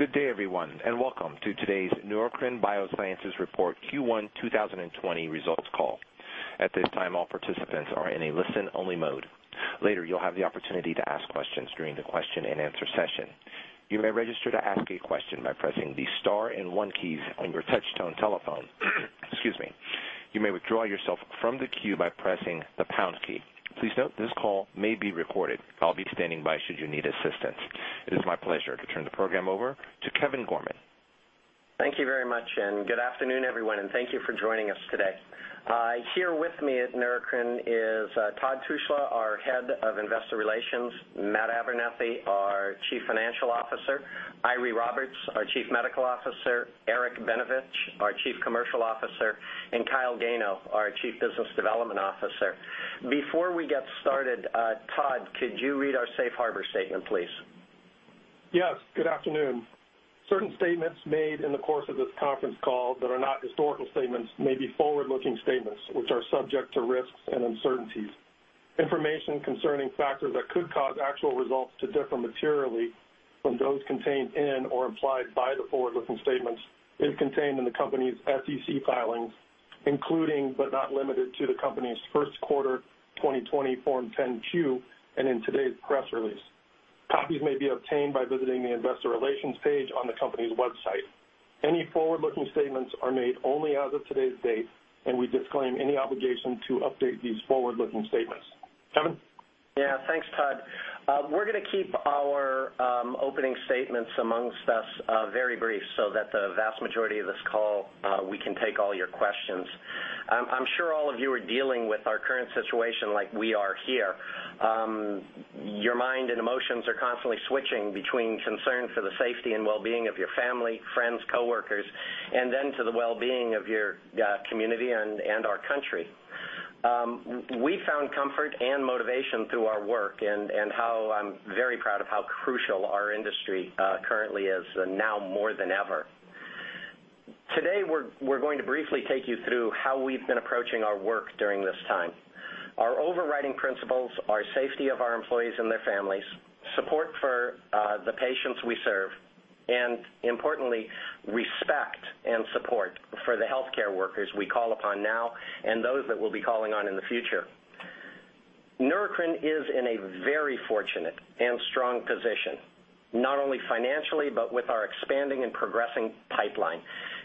Good day, everyone, welcome to today's Neurocrine Biosciences report Q1 2020 results call. At this time, all participants are in a listen-only mode. Later, you'll have the opportunity to ask questions during the question-and-answer session. You may register to ask a question by pressing the star and one keys on your touch-tone telephone. Excuse me. You may withdraw yourself from the queue by pressing the pound key. Please note, this call may be recorded. I'll be standing by should you need assistance. It is my pleasure to turn the program over to Kevin Gorman. Thank you very much, and good afternoon, everyone, and thank you for joining us today. Here with me at Neurocrine is Todd Tushla, our Head of Investor Relations, Matt Abernethy, our Chief Financial Officer, Eiry Roberts, our Chief Medical Officer, Eric Benevich, our Chief Commercial Officer, and Kyle Gano, our Chief Business Development Officer. Before we get started, Todd, could you read our safe harbor statement, please? Yes. Good afternoon. Certain statements made in the course of this conference call that are not historical statements may be forward-looking statements which are subject to risks and uncertainties. Information concerning factors that could cause actual results to differ materially from those contained in or implied by the forward-looking statements is contained in the company's SEC filings, including, but not limited to, the company's first quarter 2020 Form 10-Q, and in today's press release. Copies may be obtained by visiting the Investor Relations page on the company's website. Any forward-looking statements are made only as of today's date, and we disclaim any obligation to update these forward-looking statements. Kevin? Thanks, Todd. We're going to keep our opening statements amongst us very brief so that the vast majority of this call, we can take all your questions. I'm sure all of you are dealing with our current situation like we are here. Your mind and emotions are constantly switching between concern for the safety and well-being of your family, friends, coworkers, and then to the well-being of your community and our country. We found comfort and motivation through our work and how I'm very proud of how crucial our industry currently is, now more than ever. Today, we're going to briefly take you through how we've been approaching our work during this time. Our overriding principles are safety of our employees and their families, support for the patients we serve, and importantly, respect and support for the healthcare workers we call upon now and those that we'll be calling on in the future. Neurocrine is in a very fortunate and strong position, not only financially, but with our expanding and progressing pipeline.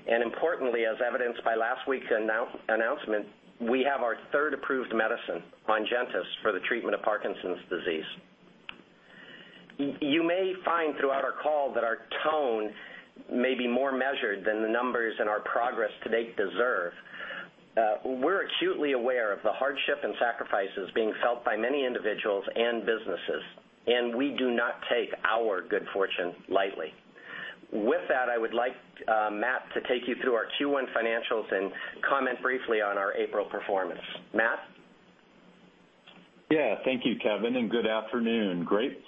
Importantly, as evidenced by last week's announcement, we have our third approved medicine, ONGENTYS, for the treatment of Parkinson's disease. You may find throughout our call that our tone may be more measured than the numbers and our progress to date deserve. We're acutely aware of the hardship and sacrifices being felt by many individuals and businesses, and we do not take our good fortune lightly. With that, I would like Matt to take you through our Q1 financials and comment briefly on our April performance. Matt? Yeah. Thank you, Kevin, and good afternoon. Great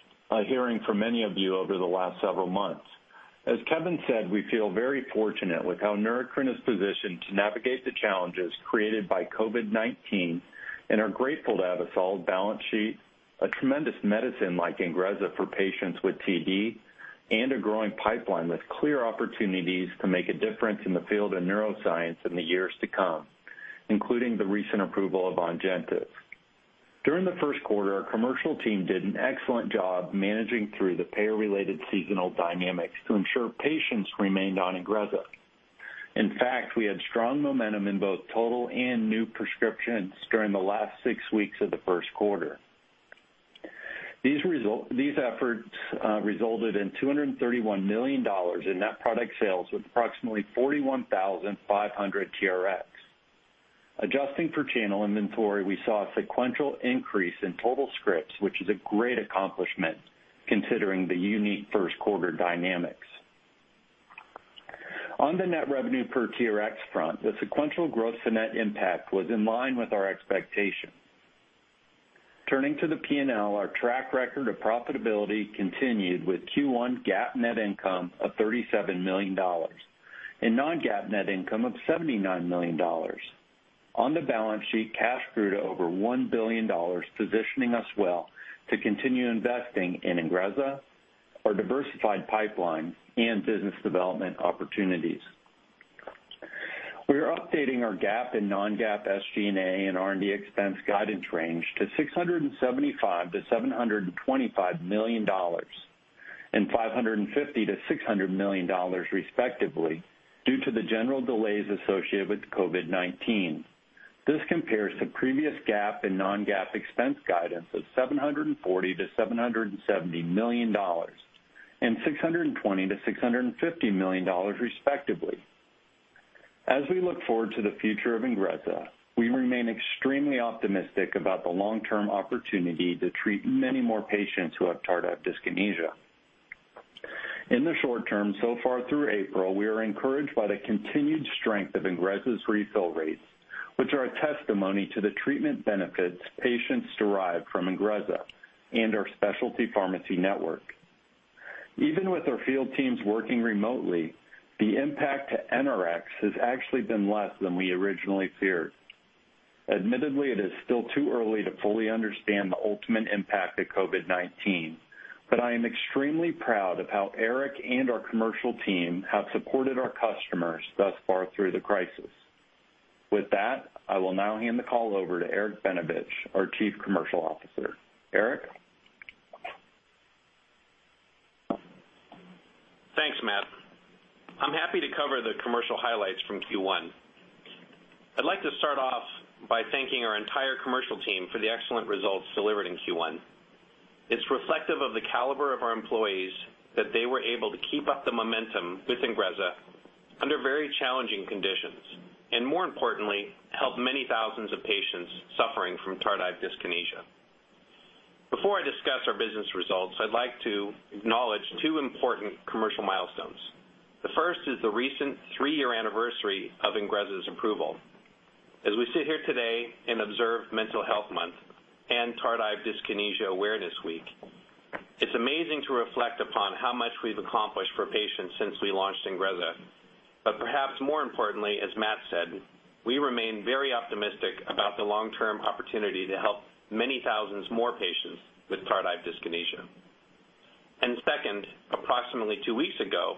hearing from many of you over the last several months. As Kevin said, we feel very fortunate with how Neurocrine is positioned to navigate the challenges created by COVID-19 and are grateful to have a solid balance sheet, a tremendous medicine like INGREZZA for patients with TD, and a growing pipeline with clear opportunities to make a difference in the field of neuroscience in the years to come, including the recent approval of ONGENTYS. During the first quarter, our commercial team did an excellent job managing through the payer-related seasonal dynamics to ensure patients remained on INGREZZA. In fact, we had strong momentum in both total and new prescriptions during the last six weeks of the first quarter. These efforts resulted in $231 million in net product sales with approximately 41,500 TRx. Adjusting for channel inventory, we saw a sequential increase in total scripts, which is a great accomplishment considering the unique first quarter dynamics. On the net revenue per TRx front, the sequential growth to net impact was in line with our expectations. Turning to the P&L, our track record of profitability continued with Q1 GAAP net income of $37 million and non-GAAP net income of $79 million. On the balance sheet, cash grew to over $1 billion, positioning us well to continue investing in INGREZZA, our diversified pipeline, and business development opportunities. We are updating our GAAP and non-GAAP SG&A and R&D expense guidance range to $675 million-$725 million and $550 million-$600 million respectively due to the general delays associated with COVID-19. This compares to previous GAAP and non-GAAP expense guidance of $740 million-$770 million and $620 million-$650 million respectively. As we look forward to the future of INGREZZA, we remain extremely optimistic about the long-term opportunity to treat many more patients who have tardive dyskinesia. In the short term, so far through April, we are encouraged by the continued strength of INGREZZA's refill rates, which are a testimony to the treatment benefits patients derive from INGREZZA and our specialty pharmacy network. Even with our field teams working remotely, the impact to NRx has actually been less than we originally feared. Admittedly, it is still too early to fully understand the ultimate impact of COVID-19. I am extremely proud of how Eric and our commercial team have supported our customers thus far through the crisis. With that, I will now hand the call over to Eric Benevich, our Chief Commercial Officer. Eric? Thanks, Matt. I'm happy to cover the commercial highlights from Q1. I'd like to start off by thanking our entire commercial team for the excellent results delivered in Q1. It's reflective of the caliber of our employees that they were able to keep up the momentum with INGREZZA under very challenging conditions, and more importantly, help many thousands of patients suffering from tardive dyskinesia. Before I discuss our business results, I'd like to acknowledge two important commercial milestones. The first is the recent three-year anniversary of INGREZZA's approval. As we sit here today and observe Mental Health Month and Tardive Dyskinesia Awareness Week, it's amazing to reflect upon how much we've accomplished for patients since we launched INGREZZA. Perhaps more importantly, as Matt said, we remain very optimistic about the long-term opportunity to help many thousands more patients with tardive dyskinesia. Second, approximately two weeks ago,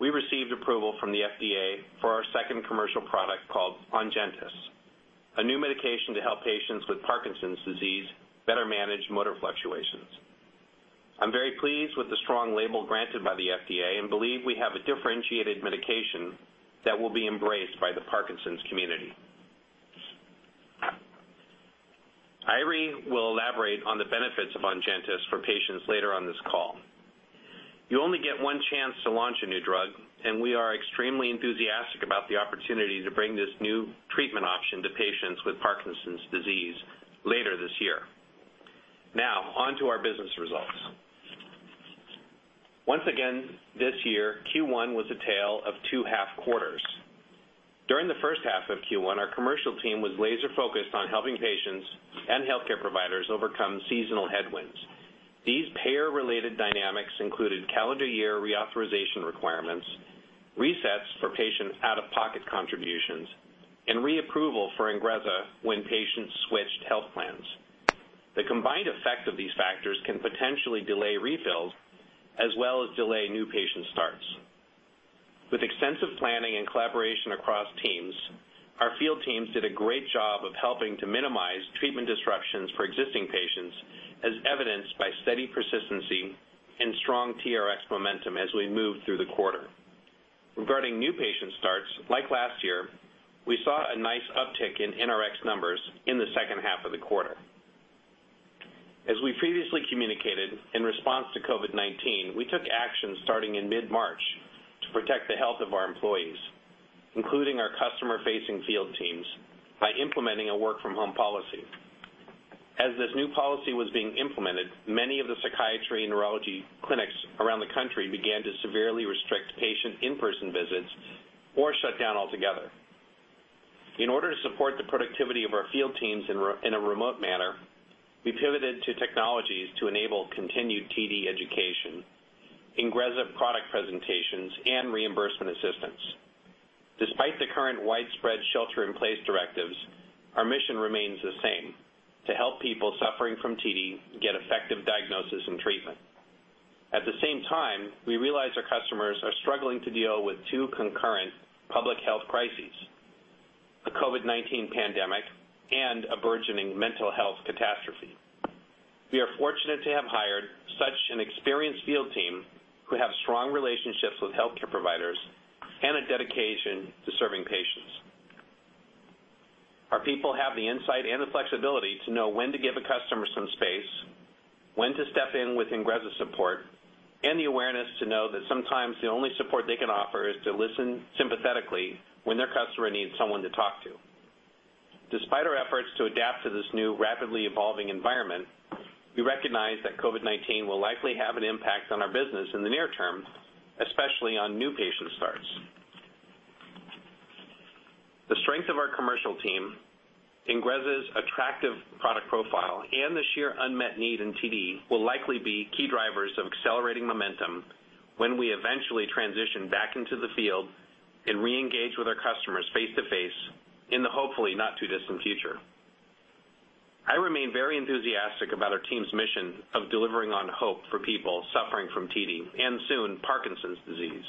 we received approval from the FDA for our second commercial product called ONGENTYS, a new medication to help patients with Parkinson's disease better manage motor fluctuations. I'm very pleased with the strong label granted by the FDA and believe we have a differentiated medication that will be embraced by the Parkinson's community. Eiry will elaborate on the benefits of ONGENTYS for patients later on this call. You only get one chance to launch a new drug, and we are extremely enthusiastic about the opportunity to bring this new treatment option to patients with Parkinson's disease later this year. Onto our business results. Once again, this year, Q1 was a tale of two half quarters. During the first half of Q1, our commercial team was laser-focused on helping patients and healthcare providers overcome seasonal headwinds. These payer-related dynamics included calendar year reauthorization requirements, resets for patient out-of-pocket contributions, and reapproval for INGREZZA when patients switched health plans. The combined effect of these factors can potentially delay refills as well as delay new patient starts. With extensive planning and collaboration across teams, our field teams did a great job of helping to minimize treatment disruptions for existing patients, as evidenced by steady persistency and strong TRx momentum as we moved through the quarter. Regarding new patient starts, like last year, we saw a nice uptick in NRx numbers in the second half of the quarter. As we previously communicated, in response to COVID-19, we took action starting in mid-March to protect the health of our employees, including our customer-facing field teams, by implementing a work-from-home policy. As this new policy was being implemented, many of the psychiatry and neurology clinics around the country began to severely restrict patient in-person visits or shut down altogether. In order to support the productivity of our field teams in a remote manner, we pivoted to technologies to enable continued TD education, INGREZZA product presentations, and reimbursement assistance. Despite the current widespread shelter-in-place directives, our mission remains the same: to help people suffering from TD get effective diagnosis and treatment. At the same time, we realize our customers are struggling to deal with two concurrent public health crises, the COVID-19 pandemic, and a burgeoning mental health catastrophe. We are fortunate to have hired such an experienced field team who have strong relationships with healthcare providers and a dedication to serving patients. Our people have the insight and the flexibility to know when to give a customer some space, when to step in with INGREZZA support, and the awareness to know that sometimes the only support they can offer is to listen sympathetically when their customer needs someone to talk to. Despite our efforts to adapt to this new rapidly evolving environment, we recognize that COVID-19 will likely have an impact on our business in the near term, especially on new patient starts. The strength of our commercial team, INGREZZA's attractive product profile, and the sheer unmet need in TD will likely be key drivers of accelerating momentum when we eventually transition back into the field and reengage with our customers face to face in the hopefully not too distant future. I remain very enthusiastic about our team's mission of delivering on hope for people suffering from TD and soon Parkinson's disease.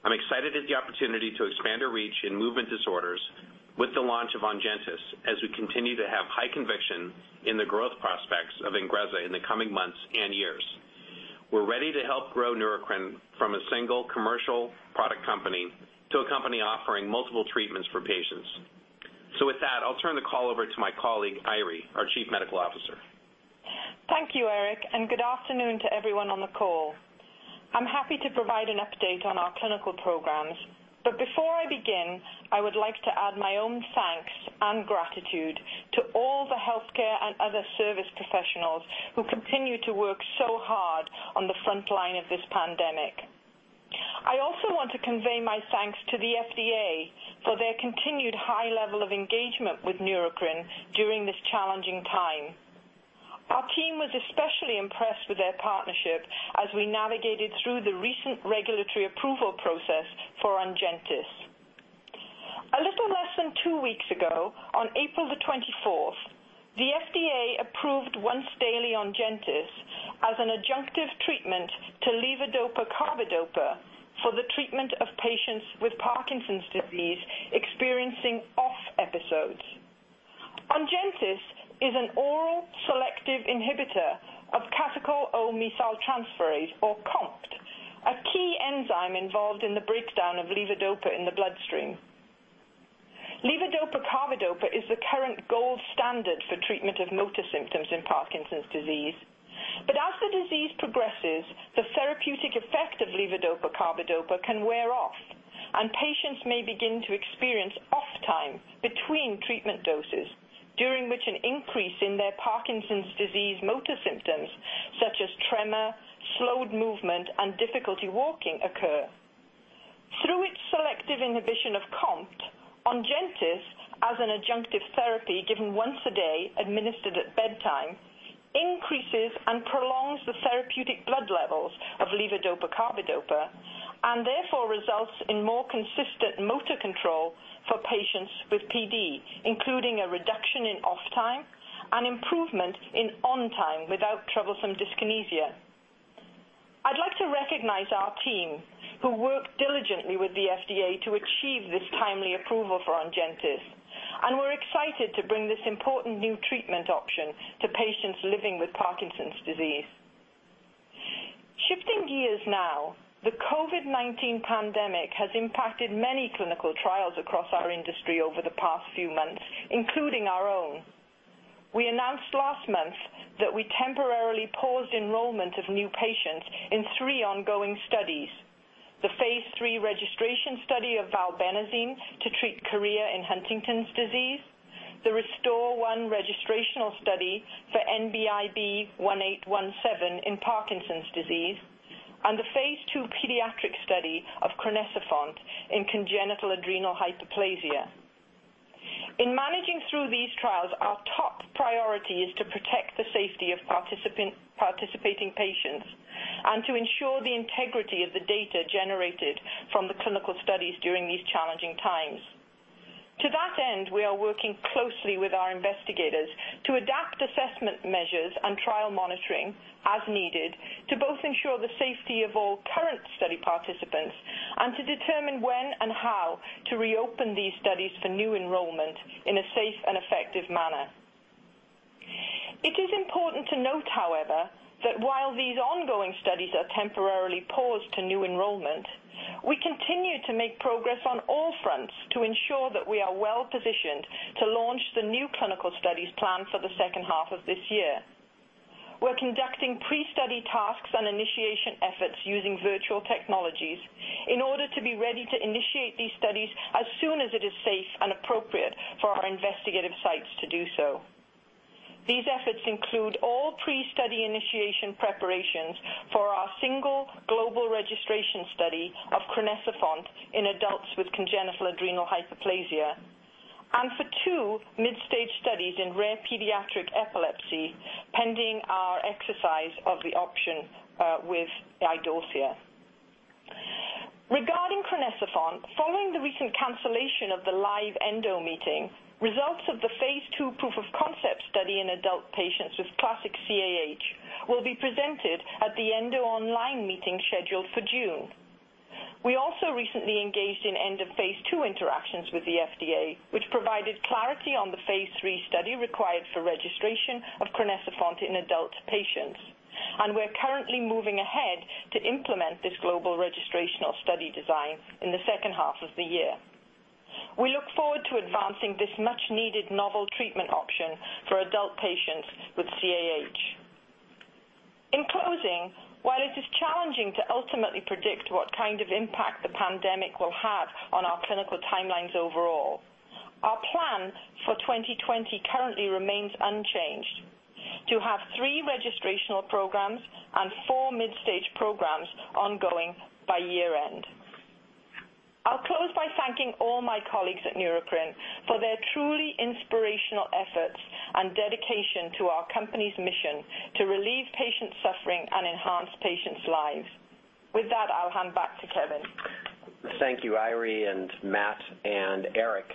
I'm excited at the opportunity to expand our reach in movement disorders with the launch of ONGENTYS as we continue to have high conviction in the growth prospects of INGREZZA in the coming months and years. We're ready to help grow Neurocrine from a single commercial product company to a company offering multiple treatments for patients. With that, I'll turn the call over to my colleague, Eiry, our Chief Medical Officer. Thank you, Eric, and good afternoon to everyone on the call. I'm happy to provide an update on our clinical programs, but before I begin, I would like to add my own thanks and gratitude to all the healthcare and other service professionals who continue to work so hard on the front line of this pandemic. I also want to convey my thanks to the FDA for their continued high level of engagement with Neurocrine during this challenging time. Our team was especially partnering as we navigated through the recent regulatory approval process for ONGENTYS. A little less than two weeks ago, on April 24th, the FDA approved once daily ONGENTYS as an adjunctive treatment to levodopa/carbidopa for the treatment of patients with Parkinson's disease experiencing OFF episodes. ONGENTYS is an oral selective inhibitor of catechol-O-methyltransferase, or COMT, a key enzyme involved in the breakdown of levodopa in the bloodstream. Levodopa carbidopa is the current gold standard for treatment of motor symptoms in Parkinson's disease. As the disease progresses, the therapeutic effect of levodopa carbidopa can wear off, and patients may begin to experience OFF time between treatment doses, during which an increase in their Parkinson's disease motor symptoms such as tremor, slowed movement, and difficulty walking occur. Through its selective inhibition of COMT, ONGENTYS, as an adjunctive therapy given once a day administered at bedtime, increases and prolongs the therapeutic blood levels of levodopa carbidopa, and therefore results in more consistent motor control for patients with PD, including a reduction in OFF time and improvement in ON time without troublesome dyskinesia. I'd like to recognize our team who worked diligently with the FDA to achieve this timely approval for ONGENTYS, and we're excited to bring this important new treatment option to patients living with Parkinson's disease. Shifting gears now, the COVID-19 pandemic has impacted many clinical trials across our industry over the past few months, including our own. We announced last month that we temporarily paused enrollment of new patients in three ongoing studies. The phase III registration study of valbenazine to treat chorea in Huntington's disease, the RESTORE-1 registrational study for NBIb-1817 in Parkinson's disease, and the phase II pediatric study of crinecerfont in congenital adrenal hyperplasia. In managing through these trials, our top priority is to protect the safety of participating patients and to ensure the integrity of the data generated from the clinical studies during these challenging times. To that end, we are working closely with our investigators to adapt assessment measures and trial monitoring as needed to both ensure the safety of all current study participants and to determine when and how to reopen these studies for new enrollment in a safe and effective manner. It is important to note, however, that while these ongoing studies are temporarily paused to new enrollment, we continue to make progress on all fronts to ensure that we are well-positioned to launch the new clinical studies planned for the second half of this year. We're conducting pre-study tasks and initiation efforts using virtual technologies in order to be ready to initiate these studies as soon as it is safe and appropriate for our investigative sites to do so. These efforts include all pre-study initiation preparations for our single global registration study of crinecerfont in adults with congenital adrenal hyperplasia, and for two mid-stage studies in rare pediatric epilepsy, pending our exercise of the option with Idorsia. Regarding crinecerfont, following the recent cancellation of the live ENDO meeting, results of the phase II proof of concept study in adult patients with classic CAH will be presented at the ENDO online meeting scheduled for June. We also recently engaged in end of phase II interactions with the FDA, which provided clarity on the phase III study required for registration of crinecerfont in adult patients, we're currently moving ahead to implement this global registrational study design in the second half of the year. We look forward to advancing this much-needed novel treatment option for adult patients with CAH. In closing, while it is challenging to ultimately predict what kind of impact the pandemic will have on our clinical timelines overall, our plan for 2020 currently remains unchanged to have three registrational programs and four mid-stage programs ongoing by year-end. I'll close by thanking all my colleagues at Neurocrine for their truly inspirational efforts and dedication to our company's mission to relieve patient suffering and enhance patients' lives. With that, I'll hand back to Kevin. Thank you, Eiry and Matt and Eric.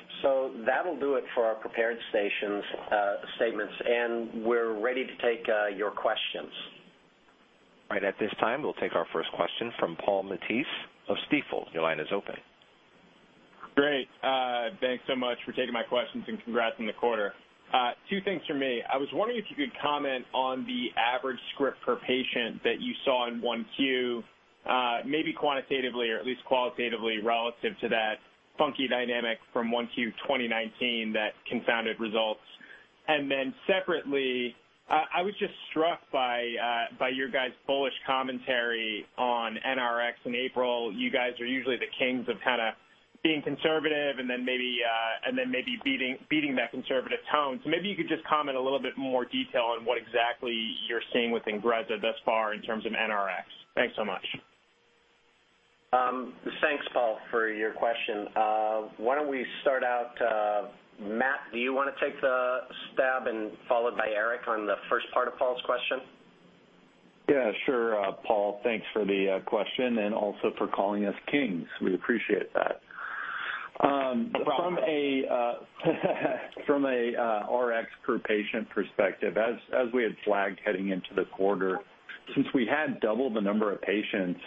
That'll do it for our prepared statements, and we're ready to take your questions. Right at this time, we'll take our first question from Paul Matteis of Stifel. Your line is open. Great. Thanks so much for taking my questions, and congrats on the quarter. Two things from me. I was wondering if you could comment on the average script per patient that you saw in 1Q, maybe quantitatively or at least qualitatively relative to that funky dynamic from 1Q 2019 that confounded results. Separately, I was just struck by your guys' bullish commentary on NRx in April. You guys are usually the kings of kind of being conservative and then maybe beating that conservative tone. Maybe you could just comment a little bit more detail on what exactly you're seeing with INGREZZA thus far in terms of NRx. Thanks so much. Thanks, Paul, for your question. Why don't we start out, Matt, do you want to take the stab and followed by Eric on the first part of Paul's question? Yeah, sure. Paul, thanks for the question and also for calling us kings. We appreciate that. No problem. From a Rx per patient perspective, as we had flagged heading into the quarter, since we had double the number of patients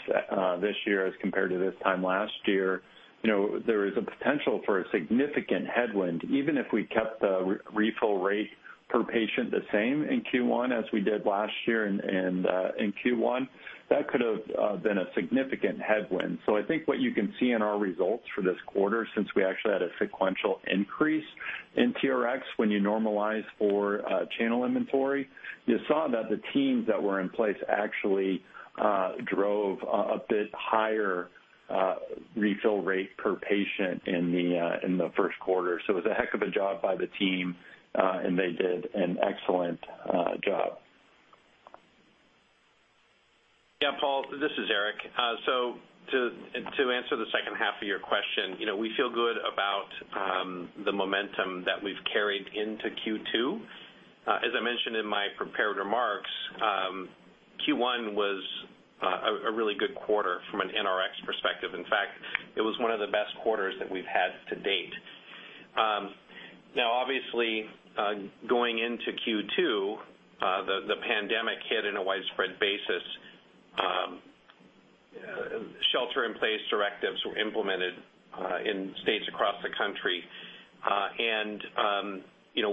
this year as compared to this time last year, there is a potential for a significant headwind. Even if we kept the refill rate per patient the same in Q1 as we did last year in Q1, that could have been a significant headwind. I think what you can see in our results for this quarter, since we actually had a sequential increase in TRxs when you normalize for channel inventory, you saw that the teams that were in place actually drove a bit higher refill rate per patient in the first quarter. It was a heck of a job by the team, and they did an excellent job. Yeah, Paul, this is Eric. To answer the second half of your question, we feel good about the momentum that we've carried into Q2. As I mentioned in my prepared remarks, Q1 was a really good quarter from an NRx perspective. In fact, it was one of the best quarters that we've had to date. Obviously, going into Q2, the pandemic hit in a widespread basis. Shelter in place directives were implemented in states across the country,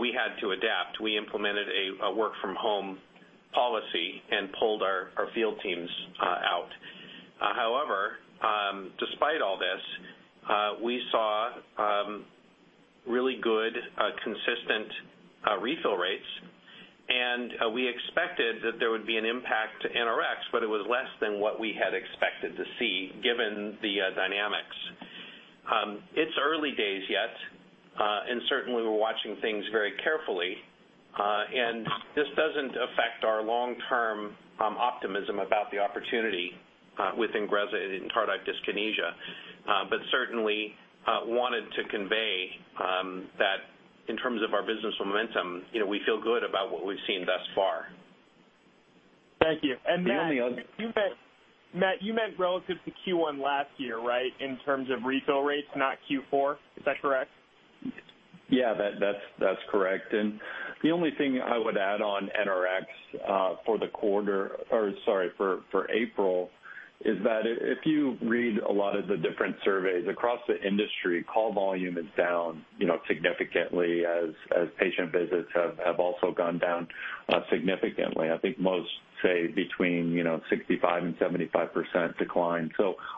we had to adapt. We implemented a work from home policy and pulled our field teams out. However, despite all this, we saw really good, consistent refill rates, and we expected that there would be an impact to NRx, but it was less than what we had expected to see given the dynamics. It's early days yet, and certainly, we're watching things very carefully. This doesn't affect our long-term optimism about the opportunity within INGREZZA in tardive dyskinesia. Certainly wanted to convey that in terms of our business momentum, we feel good about what we've seen thus far. Thank you. Matt - The only other- Matt, you meant relative to Q1 last year, right, in terms of refill rates, not Q4? Is that correct? Yeah. That's correct. The only thing I would add on NRx for April is that if you read a lot of the different surveys across the industry, call volume is down significantly as patient visits have also gone down significantly. I think most say between 65%-75% decline.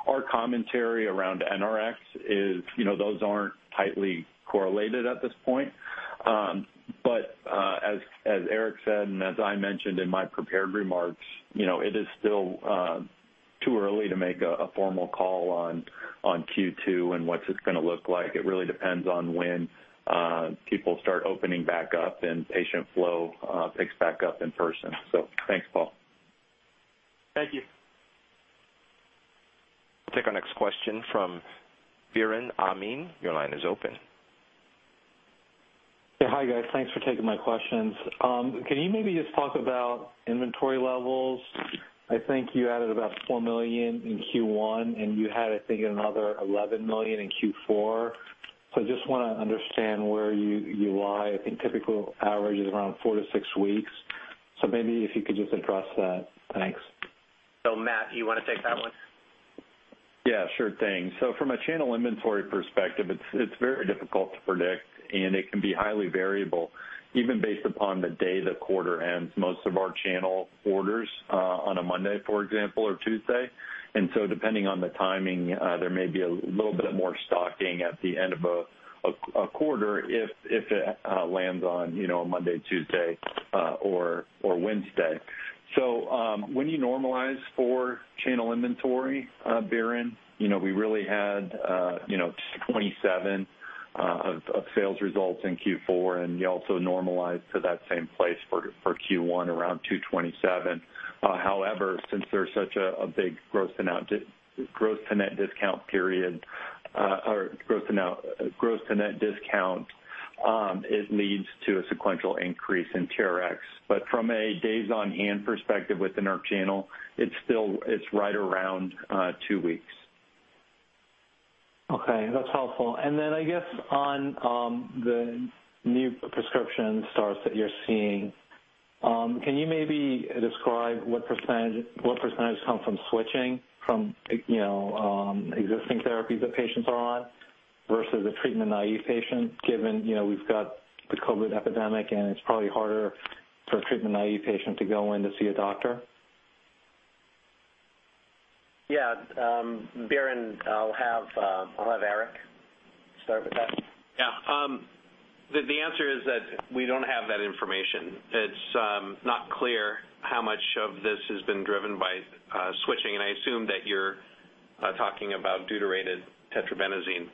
Our commentary around NRx is those aren't tightly correlated at this point. As Eric said, and as I mentioned in my prepared remarks it is still too early to make a formal call on Q2 and what it's going to look like. It really depends on when people start opening back up and patient flow picks back up in person. Thanks, Paul. Thank you. We'll take our next question from Biren Amin. Your line is open. Yeah. Hi, guys. Thanks for taking my questions. Can you maybe just talk about inventory levels? I think you added about $4 million in Q1, you had, I think, another $11 million in Q4. I just want to understand where you lie. I think typical average is around four to six weeks. Maybe if you could just address that. Thanks. Matt, do you want to take that one? Yeah, sure thing. From a channel inventory perspective, it's very difficult to predict, and it can be highly variable, even based upon the day the quarter ends. Most of our channel orders on a Monday, for example, or Tuesday. Depending on the timing, there may be a little bit more stocking at the end of a quarter if it lands on a Monday, Tuesday or Wednesday. When you normalize for channel inventory, Biren, we really had $227 million of sales results in Q4, and you also normalize to that same place for Q1 around $227 million. Since there's such a big gross to net discount, it leads to a sequential increase in TRx. From a days on hand perspective within our channel, it's right around two weeks. Okay. That's helpful. I guess on the new prescription starts that you're seeing, can you maybe describe what % come from switching from existing therapies that patients are on versus a treatment-naive patient, given we've got the COVID epidemic, and it's probably harder for a treatment-naive patient to go in to see a doctor? Yeah. Biren, I'll have Eric start with that. Yeah. The answer is that we don't have that information. It's not clear how much of this has been driven by switching, and I assume that you're talking about deutetrabenazine.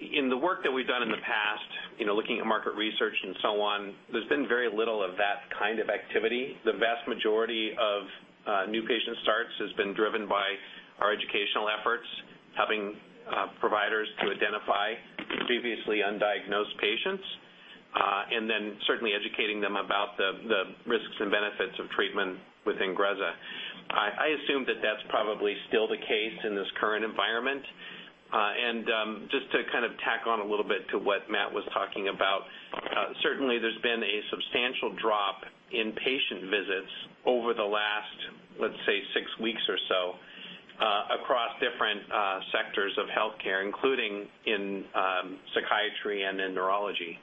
In the work that we've done in the past, looking at market research and so on, there's been very little of that kind of activity. The vast majority of new patient starts has been driven by our educational efforts, helping providers to identify previously undiagnosed patients, and then certainly educating them about the risks and benefits of treatment with INGREZZA. I assume that that's probably still the case in this current environment. Just to tack on a little bit to what Matt was talking about, certainly there's been a substantial drop in patient visits over the last, let's say, six weeks or so, across different sectors of healthcare, including in psychiatry and in neurology.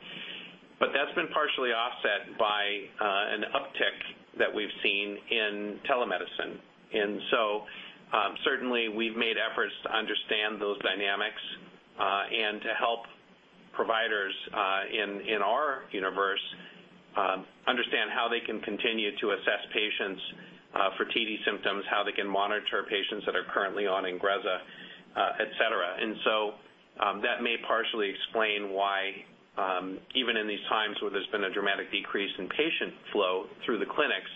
That's been partially offset by an uptick that we've seen in telemedicine. Certainly we've made efforts to understand those dynamics, and to help providers in our universe understand how they can continue to assess patients for TD symptoms, how they can monitor patients that are currently on INGREZZA, et cetera. That may partially explain why, even in these times where there's been a dramatic decrease in patient flow through the clinics,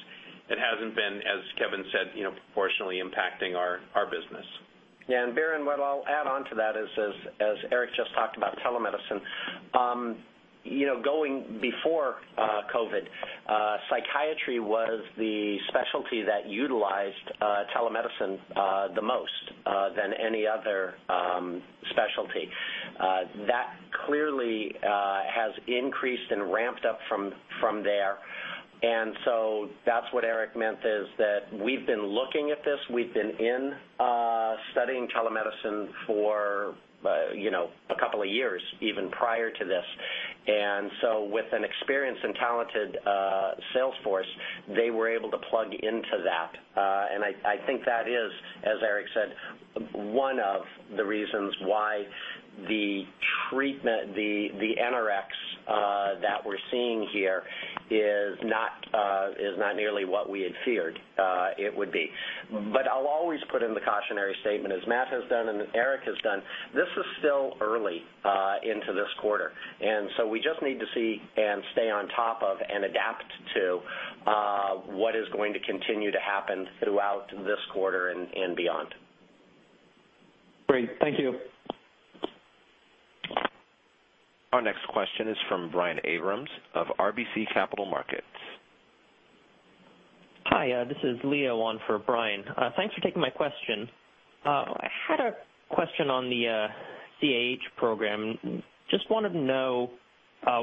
it hasn't been, as Kevin said, proportionally impacting our business. Yeah, Biren, what I'll add onto that is, as Eric just talked about telemedicine. Going before COVID, psychiatry was the specialty that utilized telemedicine the most than any other specialty. That clearly has increased and ramped up from there. That's what Eric meant is that we've been looking at this, we've been in studying telemedicine for a couple of years, even prior to this. With an experienced and talented sales force, they were able to plug into that. I think that is, as Eric said, one of the reasons why the NRx that we're seeing here is not nearly what we had feared it would be. I'll always put in the cautionary statement, as Matt has done and as Eric has done. This is still early into this quarter. We just need to see and stay on top of and adapt to what is going to continue to happen throughout this quarter and beyond. Great. Thank you. Our next question is from Brian Abrahams of RBC Capital Markets. Hi, this is Leo on for Brian. Thanks for taking my question. I had a question on the CAH program. Just wanted to know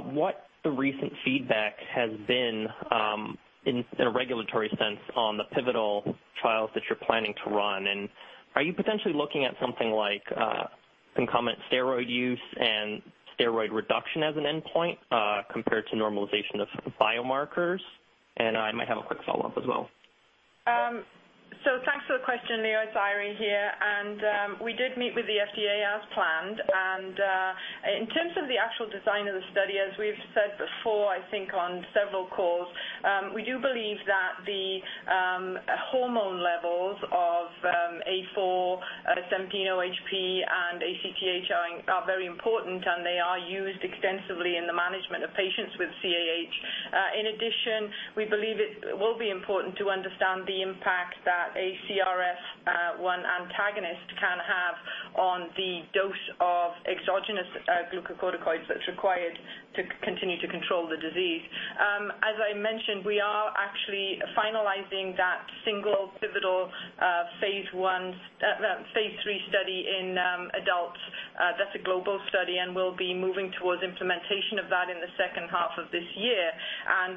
what the recent feedback has been, in a regulatory sense, on the pivotal trials that you're planning to run. Are you potentially looking at something like concomitant steroid use and steroid reduction as an endpoint, compared to normalization of biomarkers? I might have a quick follow-up as well. Thanks for the question, Leo. It's Eiry here. We did meet with the FDA as planned. In terms of the actual design of the study, as we've said before, I think on several calls, we do believe that the hormone levels of A4, 17-OHP, and ACTH are very important, and they are used extensively in the management of patients with CAH. In addition, we believe it will be important to understand the impact that a CRF1 antagonist can have on the dose of exogenous glucocorticoids that's required to continue to control the disease. As I mentioned, we are actually finalizing that single pivotal phase III study in adults. That's a global study, and we'll be moving towards implementation of that in the second half of this year.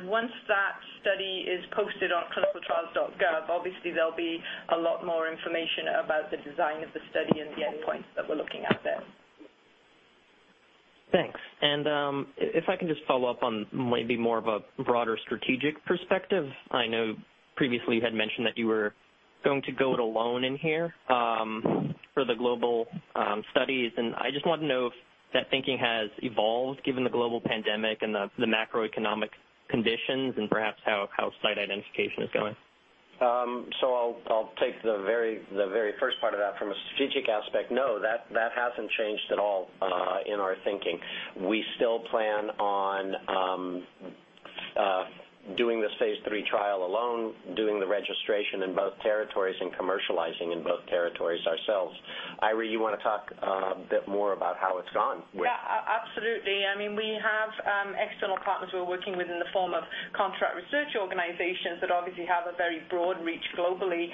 Once that study is posted on clinicaltrials.gov, obviously there'll be a lot more information about the design of the study and the endpoints that we're looking at there. Thanks. If I can just follow up on maybe more of a broader strategic perspective. I know previously you had mentioned that you were going to go it alone in here for the global studies. I just want to know if that thinking has evolved given the global pandemic and the macroeconomic conditions and perhaps how site identification is going. I'll take the very first part of that. From a strategic aspect, no, that hasn't changed at all in our thinking. We still plan on doing the phase III trial alone, doing the registration in both territories, and commercializing in both territories ourselves. Eiry, you want to talk a bit more about how it's gone with. Yeah, absolutely. We have external partners we're working with in the form of contract research organizations that obviously have a very broad reach globally.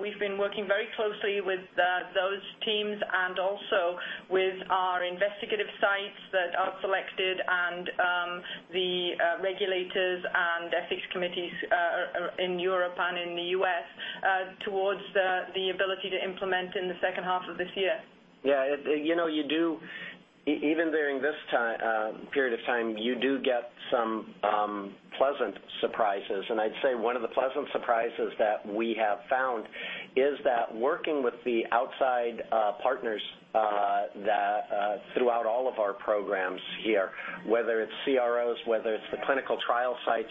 We've been working very closely with those teams and also with our investigative sites that are selected and the regulators and ethics committees in Europe and in the U.S. towards the ability to implement in the second half of this year. Yeah. Even during this period of time, you do get some pleasant surprises. I'd say one of the pleasant surprises that we have found is that working with the outside partners that Throughout all of our programs here, whether it's CROs, whether it's the clinical trial sites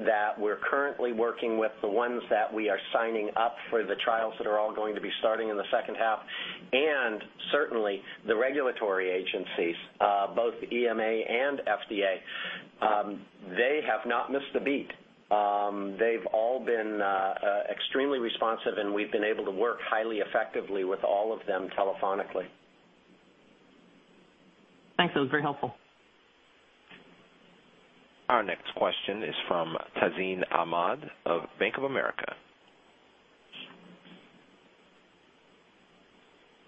that we're currently working with, the ones that we are signing up for the trials that are all going to be starting in the second half, and certainly the regulatory agencies, both EMA and FDA, they have not missed a beat. They've all been extremely responsive, and we've been able to work highly effectively with all of them telephonically. Thanks. That was very helpful. Our next question is from Tazeen Ahmad of Bank of America.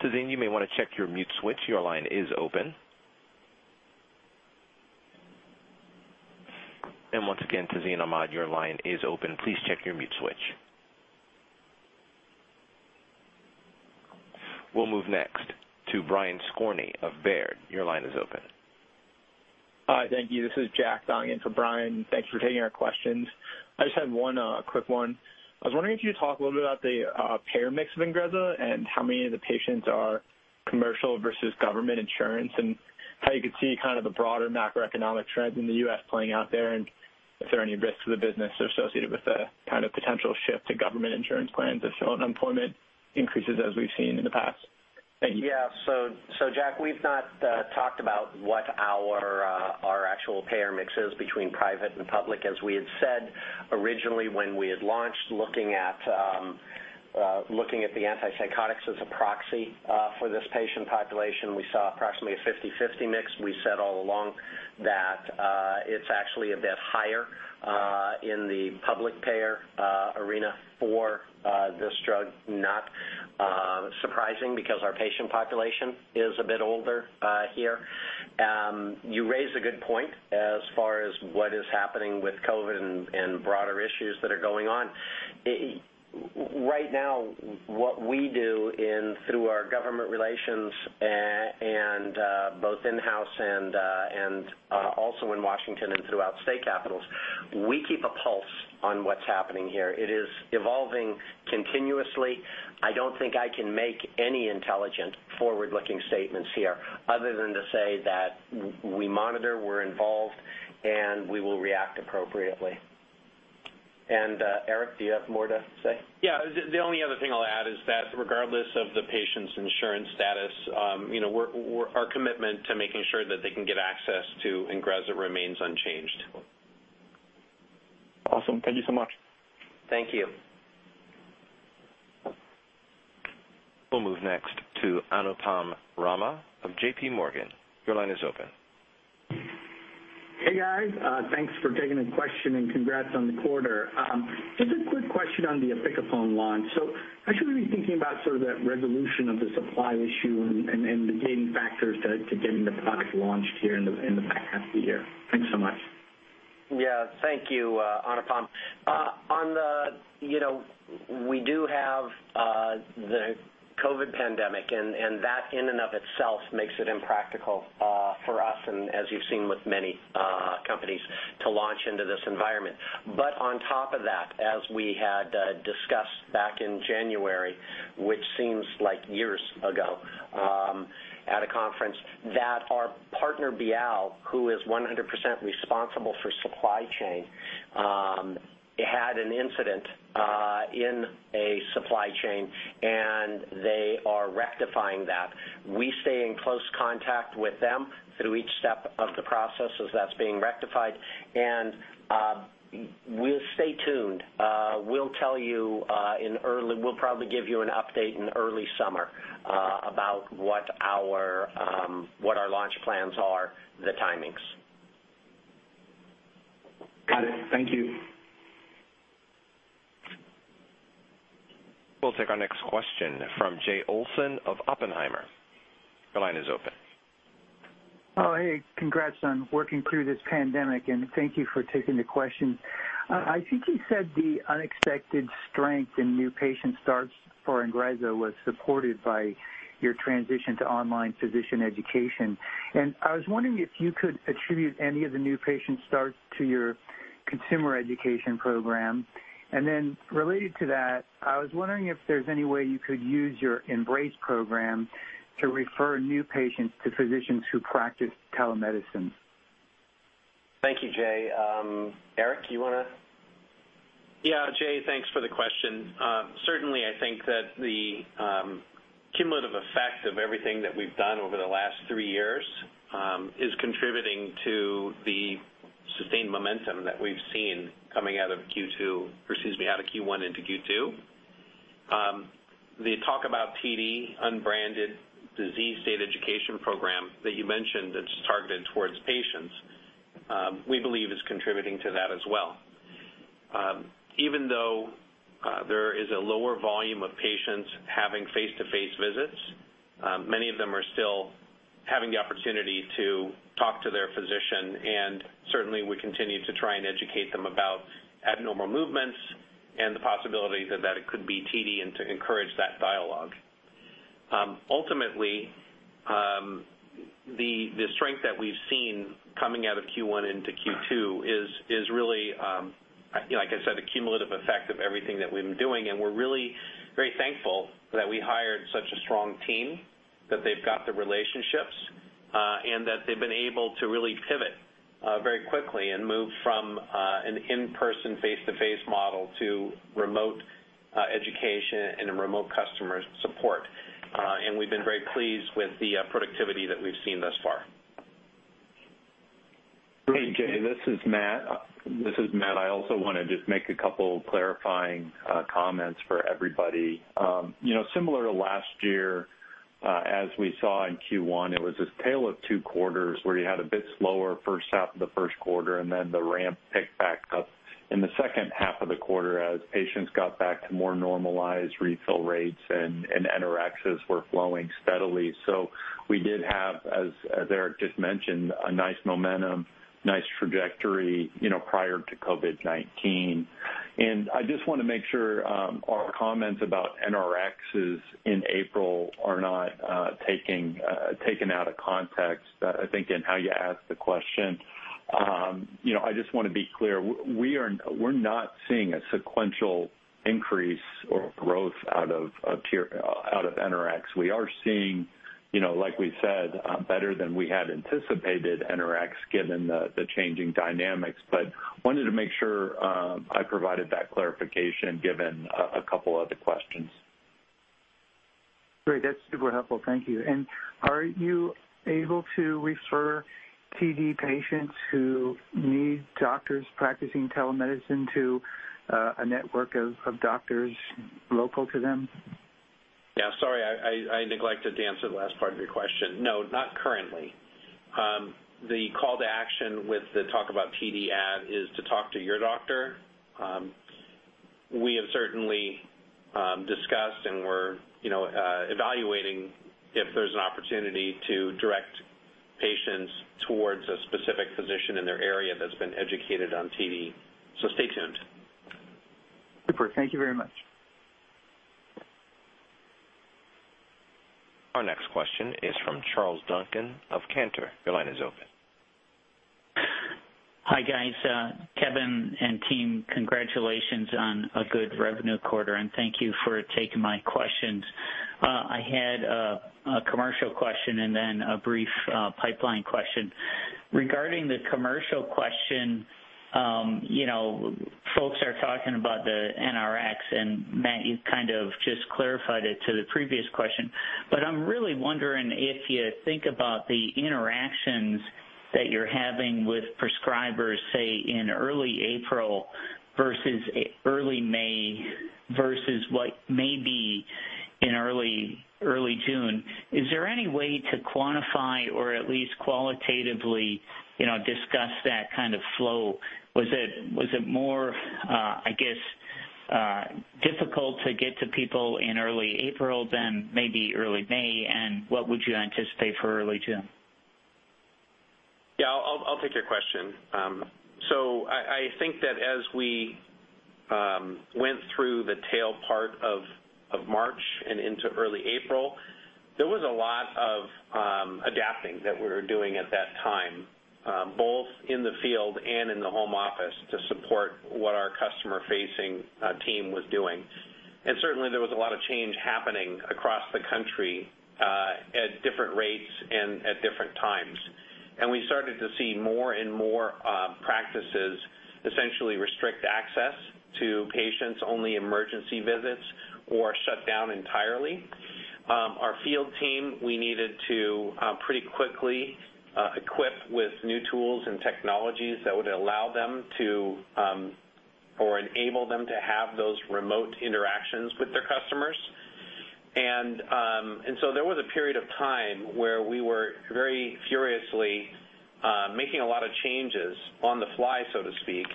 Tazeen, you may want to check your mute switch. Your line is open. Once again, Tazeen Ahmad, your line is open. Please check your mute switch. We'll move next to Brian Skorney of Baird. Your line is open. Hi. Thank you. This is Jack dialing in for Brian. Thank you for taking our questions. I just had one quick one. I was wondering if you could talk a little bit about the payer mix of INGREZZA and how many of the patients are commercial versus government insurance, and how you could see kind of the broader macroeconomic trends in the U.S. playing out there, and if there are any risks to the business associated with the kind of potential shift to government insurance plans if unemployment increases as we've seen in the past. Thank you. Jack, we've not talked about what our actual payer mix is between private and public. As we had said originally when we had launched looking at the antipsychotics as a proxy for this patient population, we saw approximately a 50/50 mix. We said all along that it's actually a bit higher in the public payer arena for this drug. Not surprising, because our patient population is a bit older here. You raise a good point as far as what is happening with COVID and broader issues that are going on. Right now, what we do through our government relations, both in-house and also in Washington and throughout state capitals, we keep a pulse on what's happening here. It is evolving continuously. I don't think I can make any intelligent forward-looking statements here other than to say that we monitor, we're involved, and we will react appropriately. Eric, do you have more to say? Yeah. The only other thing I'll add is that regardless of the patient's insurance status, our commitment to making sure that they can get access to INGREZZA remains unchanged. Awesome. Thank you so much. Thank you. We'll move next to Anupam Rama of JPMorgan. Your line is open. Hey, guys. Thanks for taking the question and congrats on the quarter. Just a quick question on the opicapone launch. How should we be thinking about sort of that resolution of the supply issue and the gating factors to getting the product launched here in the back half of the year? Thanks so much. Thank you, Anupam. We do have the COVID pandemic, that in and of itself makes it impractical for us and as you've seen with many companies to launch into this environment. On top of that, as we had discussed back in January, which seems like years ago, at a conference, that our partner, BIAL, who is 100% responsible for supply chain had an incident in a supply chain, they are rectifying that. We stay in close contact with them through each step of the process as that's being rectified, we'll stay tuned. We'll probably give you an update in early summer about what our launch plans are, the timings. Got it. Thank you. We'll take our next question from Jay Olson of Oppenheimer. Your line is open. Hey. Congrats on working through this pandemic, and thank you for taking the question. I think you said the unexpected strength in new patient starts for INGREZZA was supported by your transition to online physician education. I was wondering if you could attribute any of the new patient starts to your consumer education program. Related to that, I was wondering if there's any way you could use your Embrace program to refer new patients to physicians who practice telemedicine. Thank you, Jay. Eric, you want to? Yeah. Jay, thanks for the question. Certainly, I think that the cumulative effect of everything that we've done over the last three years is contributing to the sustained momentum that we've seen coming out of Q1 into Q2. The Talk About TD unbranded disease state education program that you mentioned that's targeted towards patients, we believe is contributing to that as well. Even though there is a lower volume of patients having face-to-face visits, many of them are still having the opportunity to talk to their physician, and certainly we continue to try and educate them about abnormal movements and the possibility that it could be TD and to encourage that dialogue. Ultimately, the strength that we've seen coming out of Q1 into Q2 is really, like I said, the cumulative effect of everything that we've been doing, and we're really very thankful that we hired such a strong team, that they've got the relationships, and that they've been able to really pivot very quickly and move from an in-person, face-to-face model to remote education and remote customer support. We've been very pleased with the productivity that we've seen thus far. Hey, Jay, this is Matt. I also want to just make a couple clarifying comments for everybody. Similar to last year, as we saw in Q1, it was this tale of two quarters where you had a bit slower first half of the first quarter, and then the ramp picked back up in the second half of the quarter as patients got back to more normalized refill rates and NRXs were flowing steadily. We did have, as Eric just mentioned, a nice momentum, nice trajectory, prior to COVID-19. I just want to make sure our comments about NRXs in April are not taken out of context, I think, in how you asked the question. I just want to be clear. We're not seeing a sequential increase or growth out of NRX. We are seeing, like we said, better than we had anticipated NRX, given the changing dynamics. Wanted to make sure I provided that clarification given a couple other questions. Great. That's super helpful. Thank you. Are you able to refer TD patients who need doctors practicing telemedicine to a network of doctors local to them? Yeah. Sorry, I neglected to answer the last part of your question. No, not currently. The call to action with the Talk About TD ad is to talk to your doctor. We have certainly discussed and we're evaluating if there's an opportunity to direct patients towards a specific physician in their area that's been educated on TD. Stay tuned. Super. Thank you very much. Our next question is from Charles Duncan of Cantor. Your line is open. Hi, guys. Kevin and team, congratulations on a good revenue quarter, and thank you for taking my questions. I had a commercial question and then a brief pipeline question. Regarding the commercial question, folks are talking about the NRx, and Matt, you kind of just clarified it to the previous question. I'm really wondering if you think about the interactions that you're having with prescribers, say in early April versus early May versus what may be in early June. Is there any way to quantify or at least qualitatively discuss that kind of flow? Was it more, I guess, difficult to get to people in early April than maybe early May, and what would you anticipate for early June? Yeah, I'll take your question. I think that as we went through the tail part of March and into early April, there was a lot of adapting that we were doing at that time, both in the field and in the home office to support what our customer-facing team was doing. Certainly, there was a lot of change happening across the country at different rates and at different times. We started to see more and more practices essentially restrict access to patients, only emergency visits or shut down entirely. Our field team, we needed to pretty quickly equip with new tools and technologies that would allow them to or enable them to have those remote interactions with their customers. There was a period of time where we were very furiously making a lot of changes on the fly, so to speak,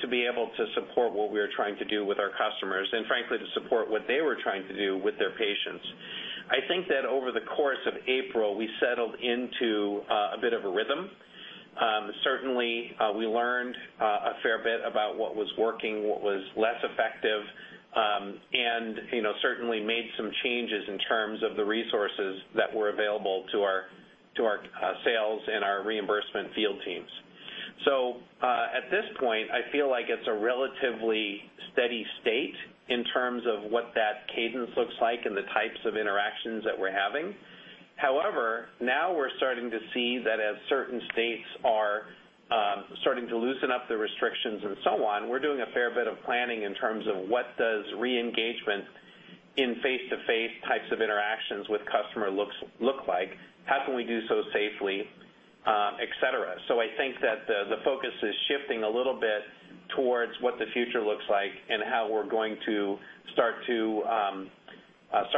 to be able to support what we were trying to do with our customers and frankly, to support what they were trying to do with their patients. I think that over the course of April, we settled into a bit of a rhythm. Certainly, we learned a fair bit about what was working, what was less effective, and certainly made some changes in terms of the resources that were available to our sales and our reimbursement field teams. At this point, I feel like it's a relatively steady state in terms of what that cadence looks like and the types of interactions that we're having. Now we're starting to see that as certain states are starting to loosen up the restrictions and so on, we're doing a fair bit of planning in terms of what does re-engagement in face-to-face types of interactions with customer look like? How can we do so safely, et cetera. I think that the focus is shifting a little bit towards what the future looks like and how we're going to start to have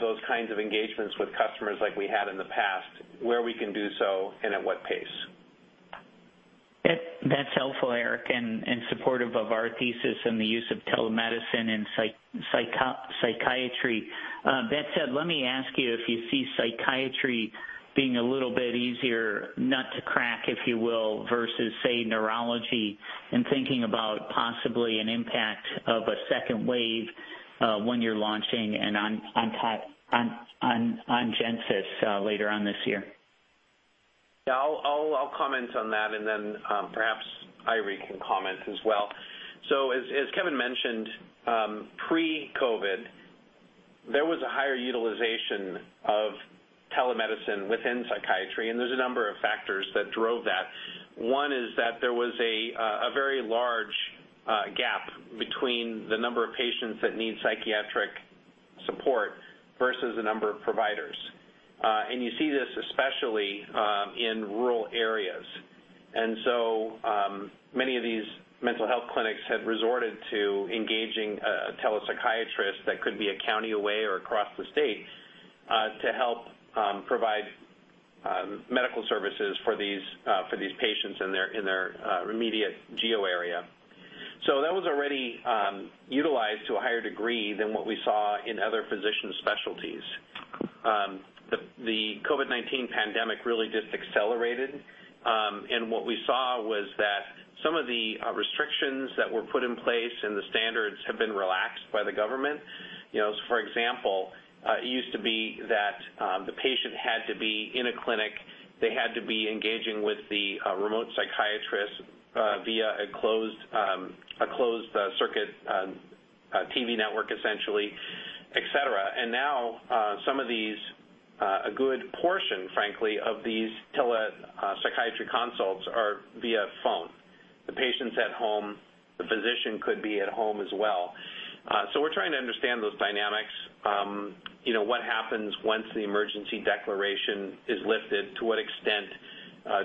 those kinds of engagements with customers like we had in the past, where we can do so and at what pace. That's helpful, Eric, and supportive of our thesis and the use of telemedicine in psychiatry. That said, let me ask you if you see psychiatry being a little bit easier nut to crack, if you will, versus say, neurology and thinking about possibly an impact of a second wave when you're launching ONGENTYS later on this year? Yeah, I'll comment on that, and then perhaps Eiry can comment as well. As Kevin mentioned, pre-COVID-19, there was a higher utilization of telemedicine within psychiatry, and there's a number of factors that drove that. One is that there was a very large gap between the number of patients that need psychiatric support versus the number of providers. You see this especially in rural areas. Many of these mental health clinics had resorted to engaging a telepsychiatrist that could be a county away or across the state, to help provide medical services for these patients in their immediate geo area. That was already utilized to a higher degree than what we saw in other physician specialties. The COVID-19 pandemic really just accelerated. What we saw was that some of the restrictions that were put in place, and the standards have been relaxed by the government. For example, it used to be that the patient had to be in a clinic. They had to be engaging with the remote psychiatrist via a closed-circuit TV network, essentially, et cetera. Now, a good portion, frankly, of these telepsychiatry consults are via phone. The patient's at home, the physician could be at home as well. We're trying to understand those dynamics. What happens once the emergency declaration is lifted? To what extent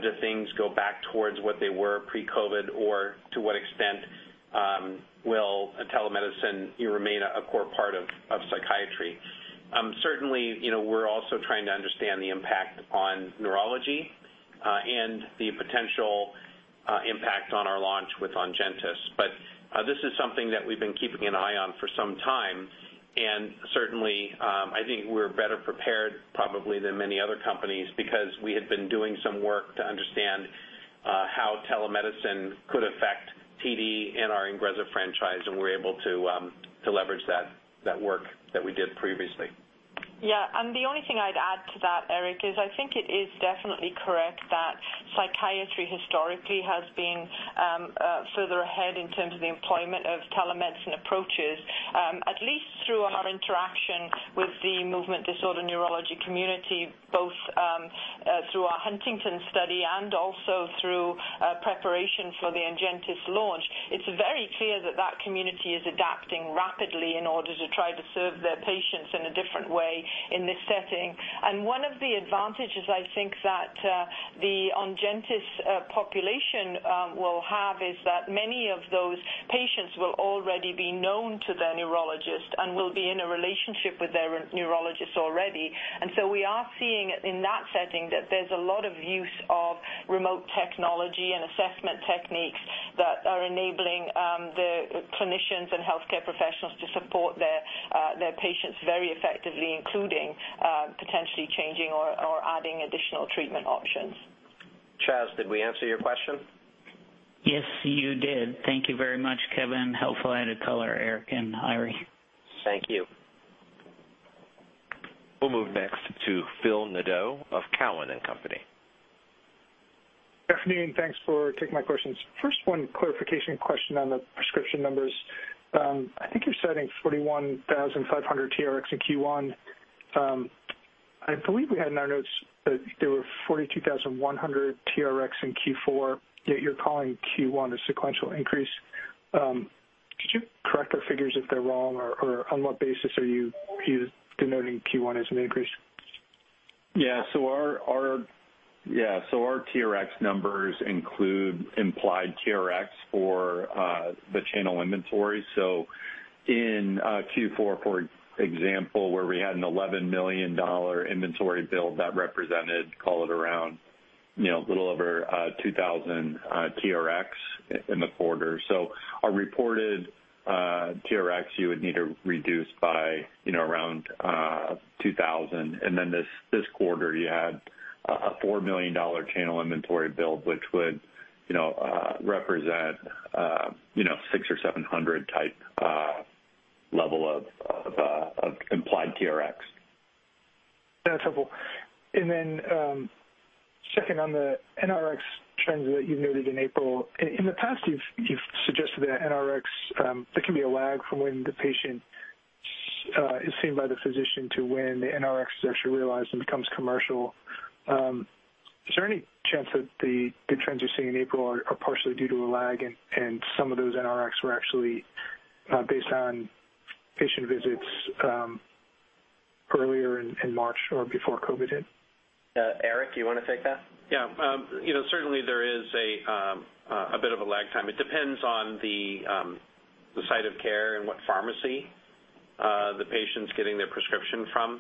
do things go back towards what they were pre-COVID? To what extent will telemedicine remain a core part of psychiatry? We're also trying to understand the impact on neurology, and the potential impact on our launch with ONGENTYS. This is something that we've been keeping an eye on for some time. Certainly, I think we're better prepared probably than many other companies, because we had been doing some work to understand how telemedicine could affect TD and our INGREZZA franchise, and we're able to leverage that work that we did previously. Yeah. The only thing I'd add to that, Eric, is I think it is definitely correct that psychiatry historically has been further ahead in terms of the employment of telemedicine approaches, at least through our interaction with the movement disorder neurology community, both through our Huntington's study and also through preparation for the ONGENTYS launch. It's very clear that that community is adapting rapidly in order to try to serve their patients in a different way in this setting. One of the advantages I think that the ONGENTYS population will have is that many of those patients will already be known to their neurologist and will be in a relationship with their neurologist already. We are seeing in that setting that there's a lot of use of remote technology and assessment techniques that are enabling the clinicians and healthcare professionals to support their patients very effectively, including potentially changing or adding additional treatment options. Charles, did we answer your question? Yes, you did. Thank you very much, Kevin. Helpful added color, Eric and Eiry. Thank you. We'll move next to Phil Nadeau of Cowen & Co. Good afternoon. Thanks for taking my questions. First, one clarification question on the prescription numbers. I think you're citing 41,500 TRx in Q1. I believe we had in our notes that there were 42,100 TRx in Q4, yet you're calling Q1 a sequential increase. Could you correct our figures if they're wrong, or on what basis are you denoting Q1 as an increase? Our TRx numbers include implied TRx for the channel inventory. In Q4, for example, where we had an $11 million inventory build, that represented, call it, around a little over 2,000 TRx in the quarter. Our reported TRx you would need to reduce by around 2,000. This quarter, you had a $4 million channel inventory build, which would represent 600 or 700 type level of implied TRx. That's helpful. Second on the NRx trends that you noted in April. In the past, you've suggested that NRx, there can be a lag from when the patient is seen by the physician to when the NRx is actually realized and becomes commercial. Is there any chance that the trends you're seeing in April are partially due to a lag and some of those NRx were actually based on patient visits earlier in March or before COVID hit? Eric, you want to take that? Yeah. Certainly, there is a bit of a lag time. It depends on the site of care and what pharmacy the patient's getting their prescription from.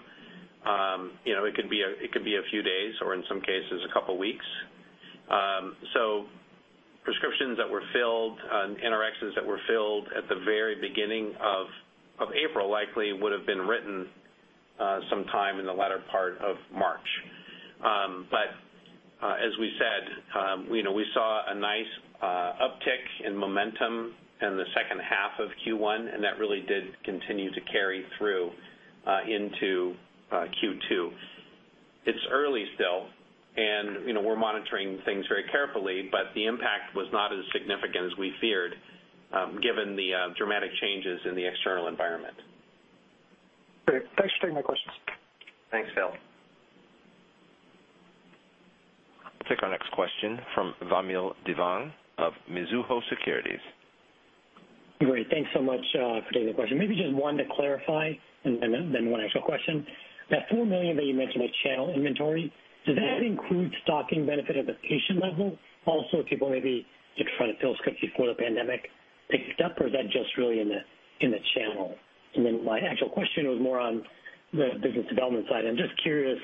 It could be a few days or in some cases a couple of weeks. Prescriptions that were filled, NRx that were filled at the very beginning of April likely would have been written sometime in the latter part of March. As we said, we saw a nice In momentum in the second half of Q1, that really did continue to carry through into Q2. It's early still, we're monitoring things very carefully, the impact was not as significant as we feared, given the dramatic changes in the external environment. Great. Thanks for taking my questions. Thanks, Phil. We'll take our next question from Vamil Divan of Mizuho Securities. Great. Thanks so much for taking the question. Maybe just one to clarify and then one actual question. That $4 million that you mentioned at channel inventory, does that include stocking benefit at the patient level, also people maybe just trying to fill scripts before the pandemic picked up? Or is that just really in the channel? My actual question was more on the business development side. I'm just curious,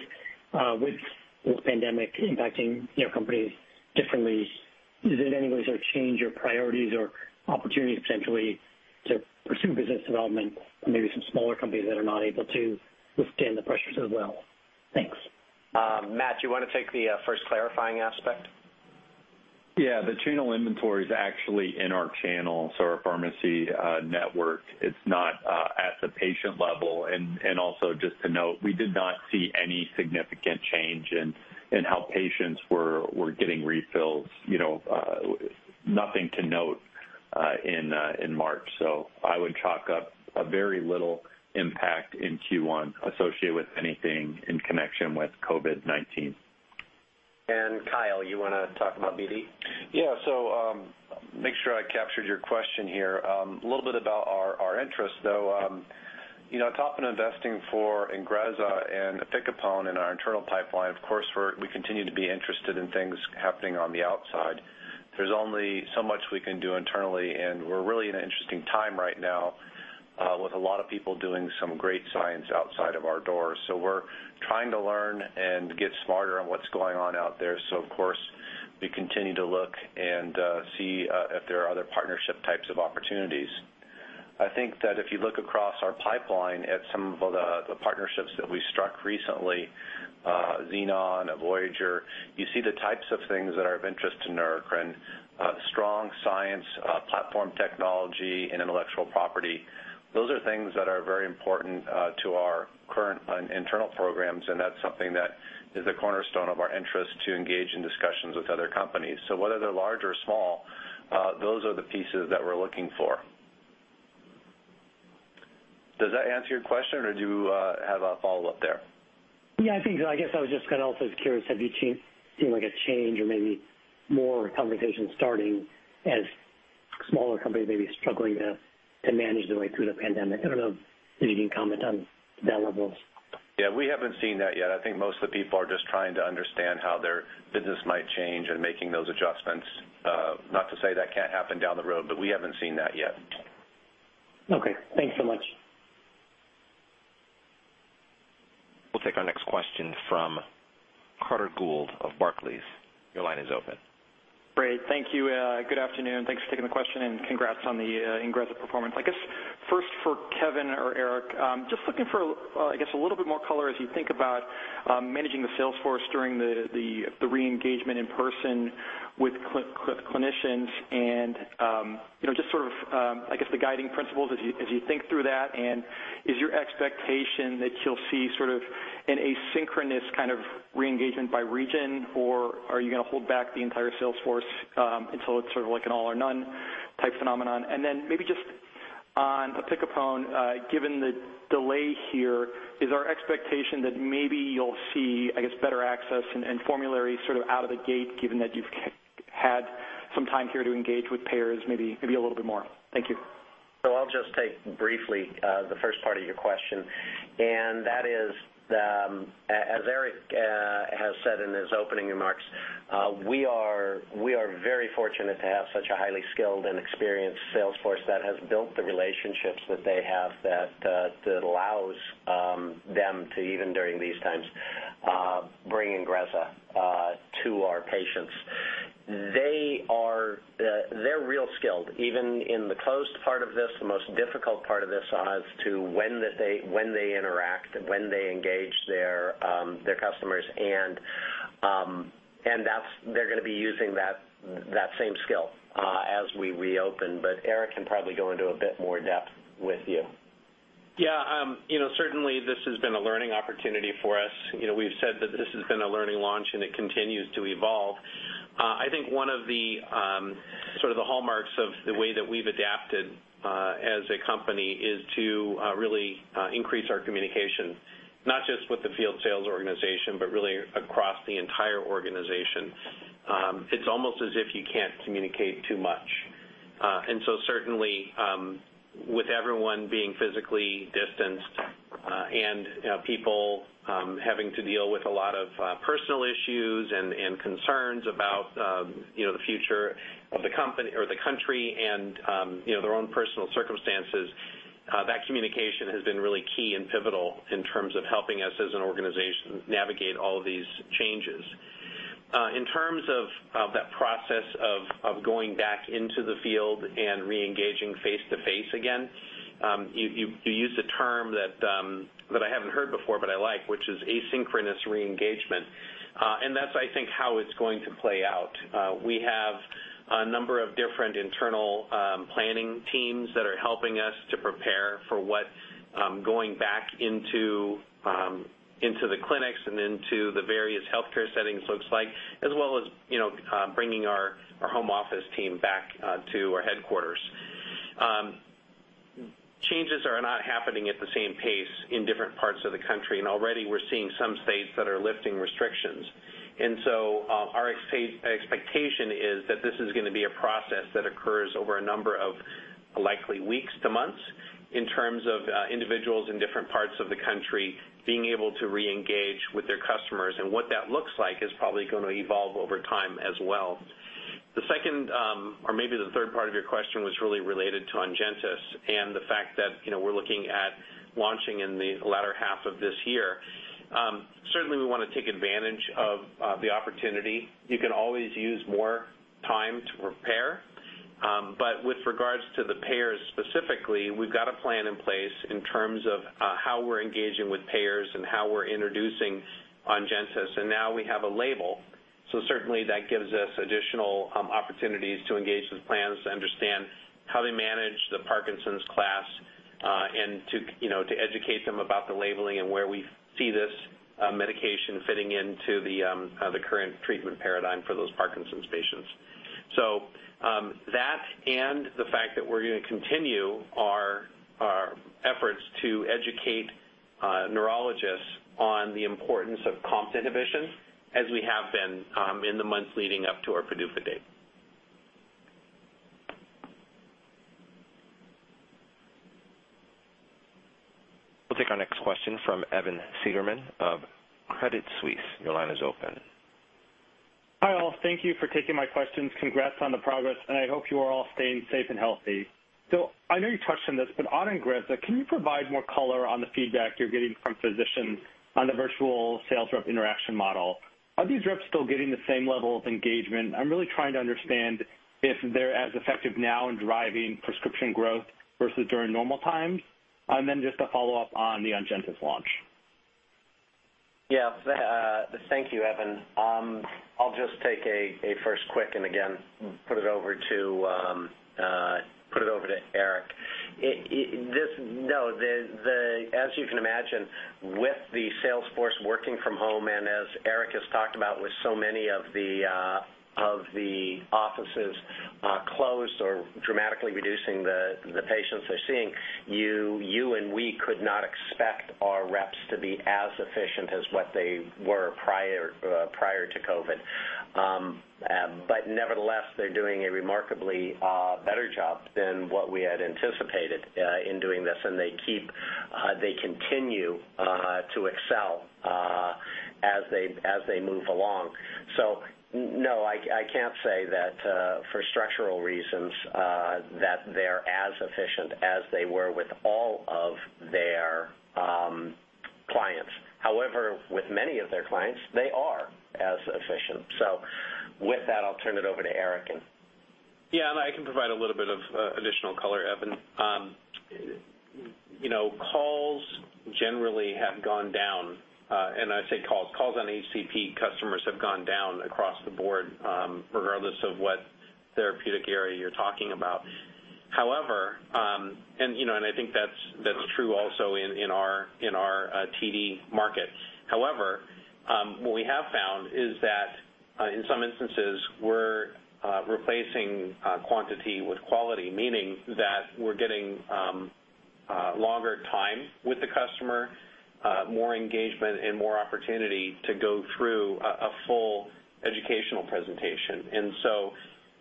with the pandemic impacting companies differently, is it any way change your priorities or opportunities potentially to pursue business development or maybe some smaller companies that are not able to withstand the pressures as well? Thanks. Matt, do you want to take the first clarifying aspect? Yeah. The channel inventory is actually in our channel, so our pharmacy network. Also just to note, we did not see any significant change in how patients were getting refills. Nothing to note in March. I would chalk up a very little impact in Q1 associated with anything in connection with COVID-19. Kyle, you want to talk about BD? Yeah. Make sure I captured your question here. A little bit about our interest, though. Investing for INGREZZA and opicapone in our internal pipeline, of course, we continue to be interested in things happening on the outside. There's only so much we can do internally, and we're really in an interesting time right now with a lot of people doing some great science outside of our doors. We're trying to learn and get smarter on what's going on out there. Of course, we continue to look and see if there are other partnership types of opportunities. I think that if you look across our pipeline at some of the partnerships that we struck recently, Xenon, Voyager, you see the types of things that are of interest to Neurocrine. Strong science, platform technology, and intellectual property. Those are things that are very important to our current internal programs, and that's something that is a cornerstone of our interest to engage in discussions with other companies. Whether they're large or small, those are the pieces that we're looking for. Does that answer your question, or do you have a follow-up there? Yeah, I think so. I guess I was just kind of also curious, have you seen a change or maybe more conversations starting as smaller companies may be struggling to manage their way through the pandemic? I don't know if you can comment on that level. Yeah, we haven't seen that yet. I think most of the people are just trying to understand how their business might change and making those adjustments. Not to say that can't happen down the road, but we haven't seen that yet. Okay. Thanks so much. We'll take our next question from Carter Gould of Barclays. Your line is open. Great. Thank you. Good afternoon. Thanks for taking the question and congrats on the INGREZZA performance. I guess first for Kevin or Eric, just looking for, I guess, a little bit more color as you think about managing the sales force during the re-engagement in person with clinicians and just sort of, I guess, the guiding principles as you think through that. Is your expectation that you'll see sort of an asynchronous kind of re-engagement by region, or are you going to hold back the entire sales force until it's sort of like an all or none type phenomenon? Then maybe just on opicapone, given the delay here, is our expectation that maybe you'll see, I guess, better access and formulary sort of out of the gate, given that you've had some time here to engage with payers, maybe a little bit more. Thank you. I will just take briefly the first part of your question, and that is as Eric has said in his opening remarks, we are very fortunate to have such a highly skilled and experienced sales force that has built the relationships that they have that allows them to, even during these times, bring INGREZZA to our patients. They're real skilled, even in the closed part of this, the most difficult part of this as to when they interact, when they engage their customers, and they're going to be using that same skill as we reopen. Eric can probably go into a bit more depth with you. Yeah. Certainly, this has been a learning opportunity for us. We've said that this has been a learning launch, and it continues to evolve. I think one of the sort of the hallmarks of the way that we've adapted as a company is to really increase our communication, not just with the field sales organization, but really across the entire organization. It's almost as if you can't communicate too much. Certainly, with everyone being physically distanced and people having to deal with a lot of personal issues and concerns about the future of the country and their own personal circumstances, that communication has been really key and pivotal in terms of helping us as an organization navigate all these changes. In terms of that process of going back into the field and re-engaging face-to-face again, you used a term that I haven't heard before, but I like, which is asynchronous re-engagement. That's, I think, how it's going to play out. We have a number of different internal planning teams that are helping us to prepare for what going back into the clinics and into the various healthcare settings looks like, as well as bringing our home office team back to our headquarters. Changes are not happening at the same pace in different parts of the country, and already we're seeing some states that are lifting restrictions. So our expectation is that this is going to be a process that occurs over a number of likely weeks to months in terms of individuals in different parts of the country being able to reengage with their customers, and what that looks like is probably going to evolve over time as well. The second or maybe the third part of your question was really related to ONGENTYS and the fact that we're looking at launching in the latter half of this year. Certainly, we want to take advantage of the opportunity. You can always use more time to prepare. With regards to the payers specifically, we've got a plan in place in terms of how we're engaging with payers and how we're introducing ONGENTYS. Now we have a label, certainly that gives us additional opportunities to engage with plans to understand how they manage the Parkinson's class, and to educate them about the labeling and where we see this medication fitting into the current treatment paradigm for those Parkinson's patients. That and the fact that we're going to continue our efforts to educate neurologists on the importance of COMT inhibition as we have been in the months leading up to our PDUFA date. We'll take our next question from Evan Seigerman of Credit Suisse. Your line is open. Hi, all. Thank you for taking my questions. Congrats on the progress. I hope you are all staying safe and healthy. I know you touched on this. On INGREZZA, can you provide more color on the feedback you're getting from physicians on the virtual sales rep interaction model? Are these reps still getting the same level of engagement? I'm really trying to understand if they're as effective now in driving prescription growth versus during normal times. Just a follow-up on the ONGENTYS launch. Yeah. Thank you, Evan. I'll just take a first quick, again, put it over to Eric. As you can imagine, with the sales force working from home, as Eric has talked about with so many of the offices closed or dramatically reducing the patients they're seeing, you and we could not expect our reps to be as efficient as what they were prior to COVID. Nevertheless, they're doing a remarkably better job than what we had anticipated in doing this. They continue to excel as they move along. No, I can't say that for structural reasons, that they're as efficient as they were with all of their clients. However, with many of their clients, they are as efficient. With that, I'll turn it over to Eric. Yeah, I can provide a little bit of additional color, Evan. Calls generally have gone down, and I say calls on HCP customers have gone down across the board, regardless of what therapeutic area you're talking about. I think that's true also in our TD market. However, what we have found is that in some instances, we're replacing quantity with quality, meaning that we're getting longer time with the customer, more engagement, and more opportunity to go through a full educational presentation.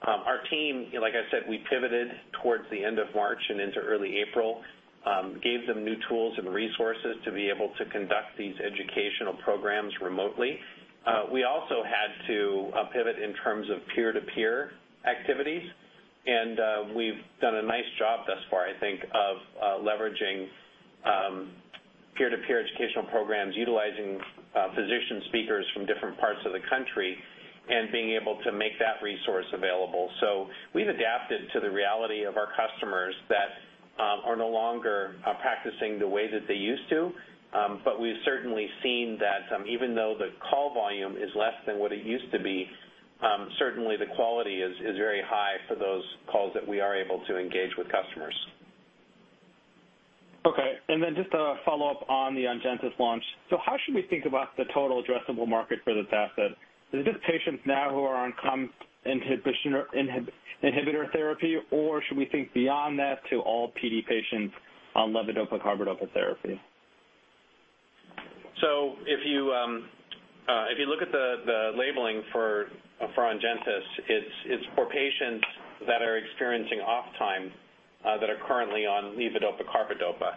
Our team, like I said, we pivoted towards the end of March and into early April, gave them new tools and resources to be able to conduct these educational programs remotely. We also had to pivot in terms of peer-to-peer activities, and we've done a nice job thus far, I think, of leveraging peer-to-peer educational programs, utilizing physician speakers from different parts of the country, and being able to make that resource available. We've adapted to the reality of our customers that are no longer practicing the way that they used to. We've certainly seen that even though the call volume is less than what it used to be, certainly the quality is very high for those calls that we are able to engage with customers. Just a follow-up on the ONGENTYS launch. How should we think about the total addressable market for this asset? Is it just patients now who are on COMT inhibitor therapy, or should we think beyond that to all PD patients on levodopa/carbidopa therapy? If you look at the labeling for ONGENTYS, it's for patients that are experiencing off time that are currently on levodopa carbidopa.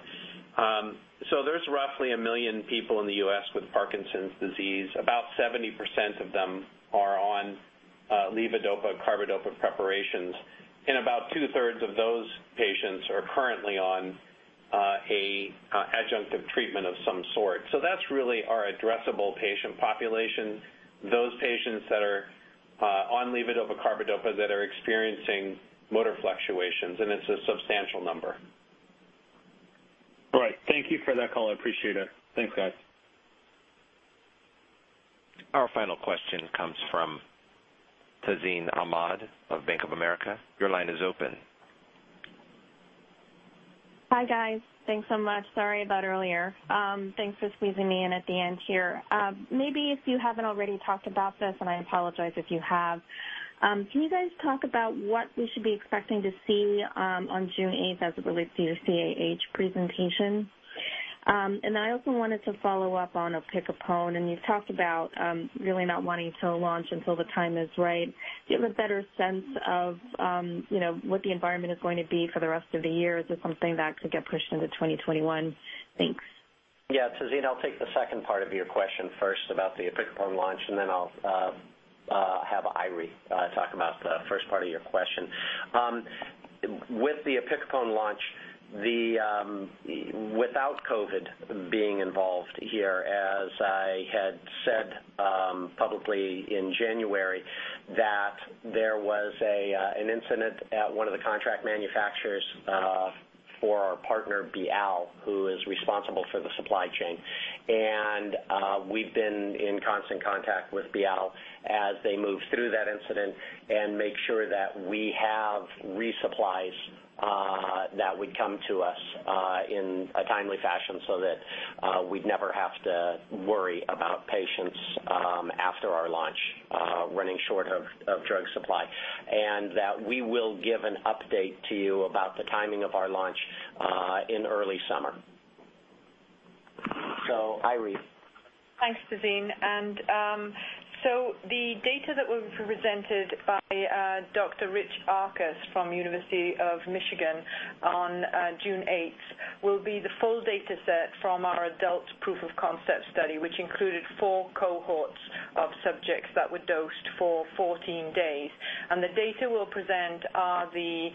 There's roughly 1 million people in the U.S. with Parkinson's disease. About 70% of them are on levodopa carbidopa preparations, and about two-thirds of those patients are currently on a adjunctive treatment of some sort. That's really our addressable patient population, those patients that are on levodopa carbidopa that are experiencing motor fluctuations, and it's a substantial number. Thank you for that call. I appreciate it. Thanks, guys. Our final question comes from Tazeen Ahmad of Bank of America. Your line is open. Hi, guys. Thanks so much. Sorry about earlier. Thanks for squeezing me in at the end here. Maybe if you haven't already talked about this, and I apologize if you have, can you guys talk about what we should be expecting to see on June 8th as it relates to your CAH presentation? I also wanted to follow up on opicapone, and you've talked about really not wanting to launch until the time is right. Do you have a better sense of what the environment is going to be for the rest of the year? Is it something that could get pushed into 2021? Thanks. Yeah, Tazeen, I'll take the second part of your question first about the opicapone launch, then I'll have Eiry talk about the first part of your question. With the opicapone launch, without COVID being involved here, as I had said publicly in January, that there was an incident at one of the contract manufacturers for our partner, BIAL, who is responsible for the supply chain. We've been in constant contact with BIAL as they move through that incident and make sure that we have resupplies that would come to us in a timely fashion so that we'd never have to worry about patients after our launch running short of drug supply. That we will give an update to you about the timing of our launch in early summer. Eiry. Thanks, Tazeen. The data that was presented by Dr. Richard Auchus from University of Michigan on June 8th will be the full data set from our adult proof of concept study, which included four cohorts of subjects that were dosed for 14 days. The data we'll present are the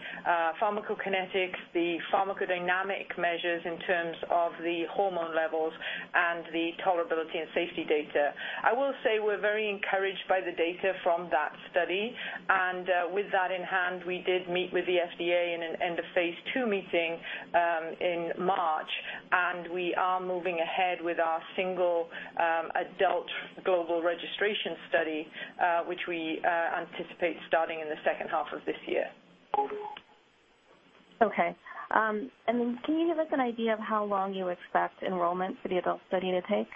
pharmacokinetics, the pharmacodynamic measures in terms of the hormone levels, and the tolerability and safety data. I will say we're very encouraged by the data from that study. With that in hand, we did meet with the FDA in an end of phase II meeting in March, and we are moving ahead with our single adult global registration study, which we anticipate starting in the second half of this year. Okay. Can you give us an idea of how long you expect enrollment for the adult study to take?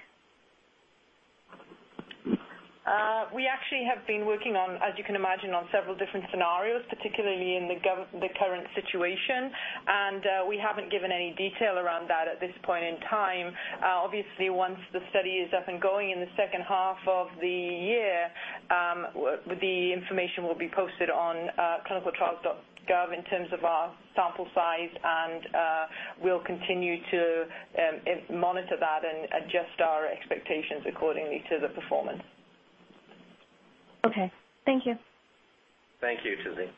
We actually have been working on, as you can imagine, on several different scenarios, particularly in the current situation, and we haven't given any detail around that at this point in time. Obviously, once the study is up and going in the second half of the year, the information will be posted on clinicaltrials.gov in terms of our sample size, and we'll continue to monitor that and adjust our expectations accordingly to the performance. Okay. Thank you. Thank you, Tazeen.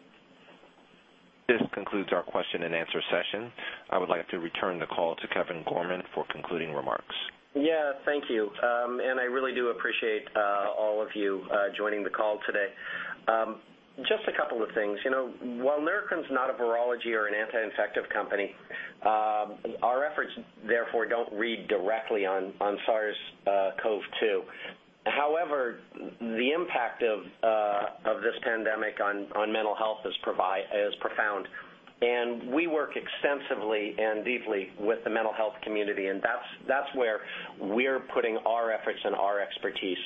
This concludes our question-and-answer session. I would like to return the call to Kevin Gorman for concluding remarks. Yeah. Thank you. I really do appreciate all of you joining the call today. Just a couple of things. While Neurocrine is not a virology or an anti-infective company, our efforts, therefore, don't read directly on SARS-CoV-2. The impact of this pandemic on mental health is profound, and we work extensively and deeply with the mental health community, and that's where we're putting our efforts and our expertise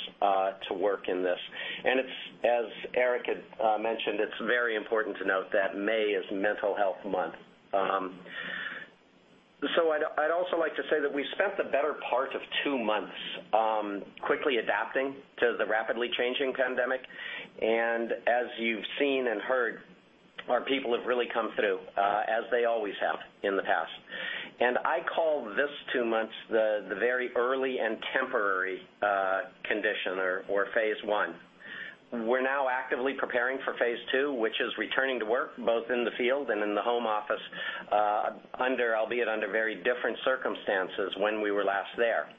to work in this. It's as Eric had mentioned, it's very important to note that May is Mental Health Month. I'd also like to say that we've spent the better part of two months quickly adapting to the rapidly changing pandemic. As you've seen and heard, our people have really come through, as they always have in the past. I call these two months the very early and temporary condition or phase I. We're now actively preparing for phase II, which is returning to work both in the field and in the home office, albeit under very different circumstances when we were last there.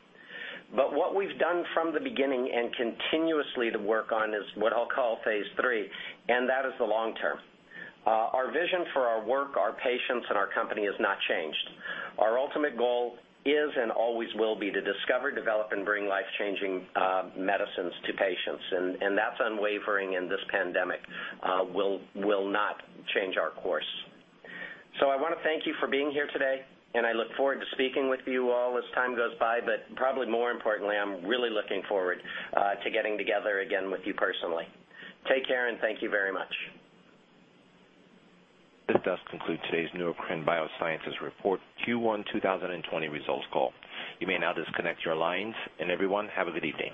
What we've done from the beginning and continuously to work on is what I'll call phase III, and that is the long term. Our vision for our work, our patients, and our company has not changed. Our ultimate goal is and always will be to discover, develop, and bring life-changing medicines to patients. That's unwavering, and this pandemic will not change our course. I want to thank you for being here today, and I look forward to speaking with you all as time goes by. Probably more importantly, I'm really looking forward to getting together again with you personally. Take care, and thank you very much. This does conclude today's Neurocrine Biosciences Q1 2020 results call. You may now disconnect your lines, and everyone, have a good evening.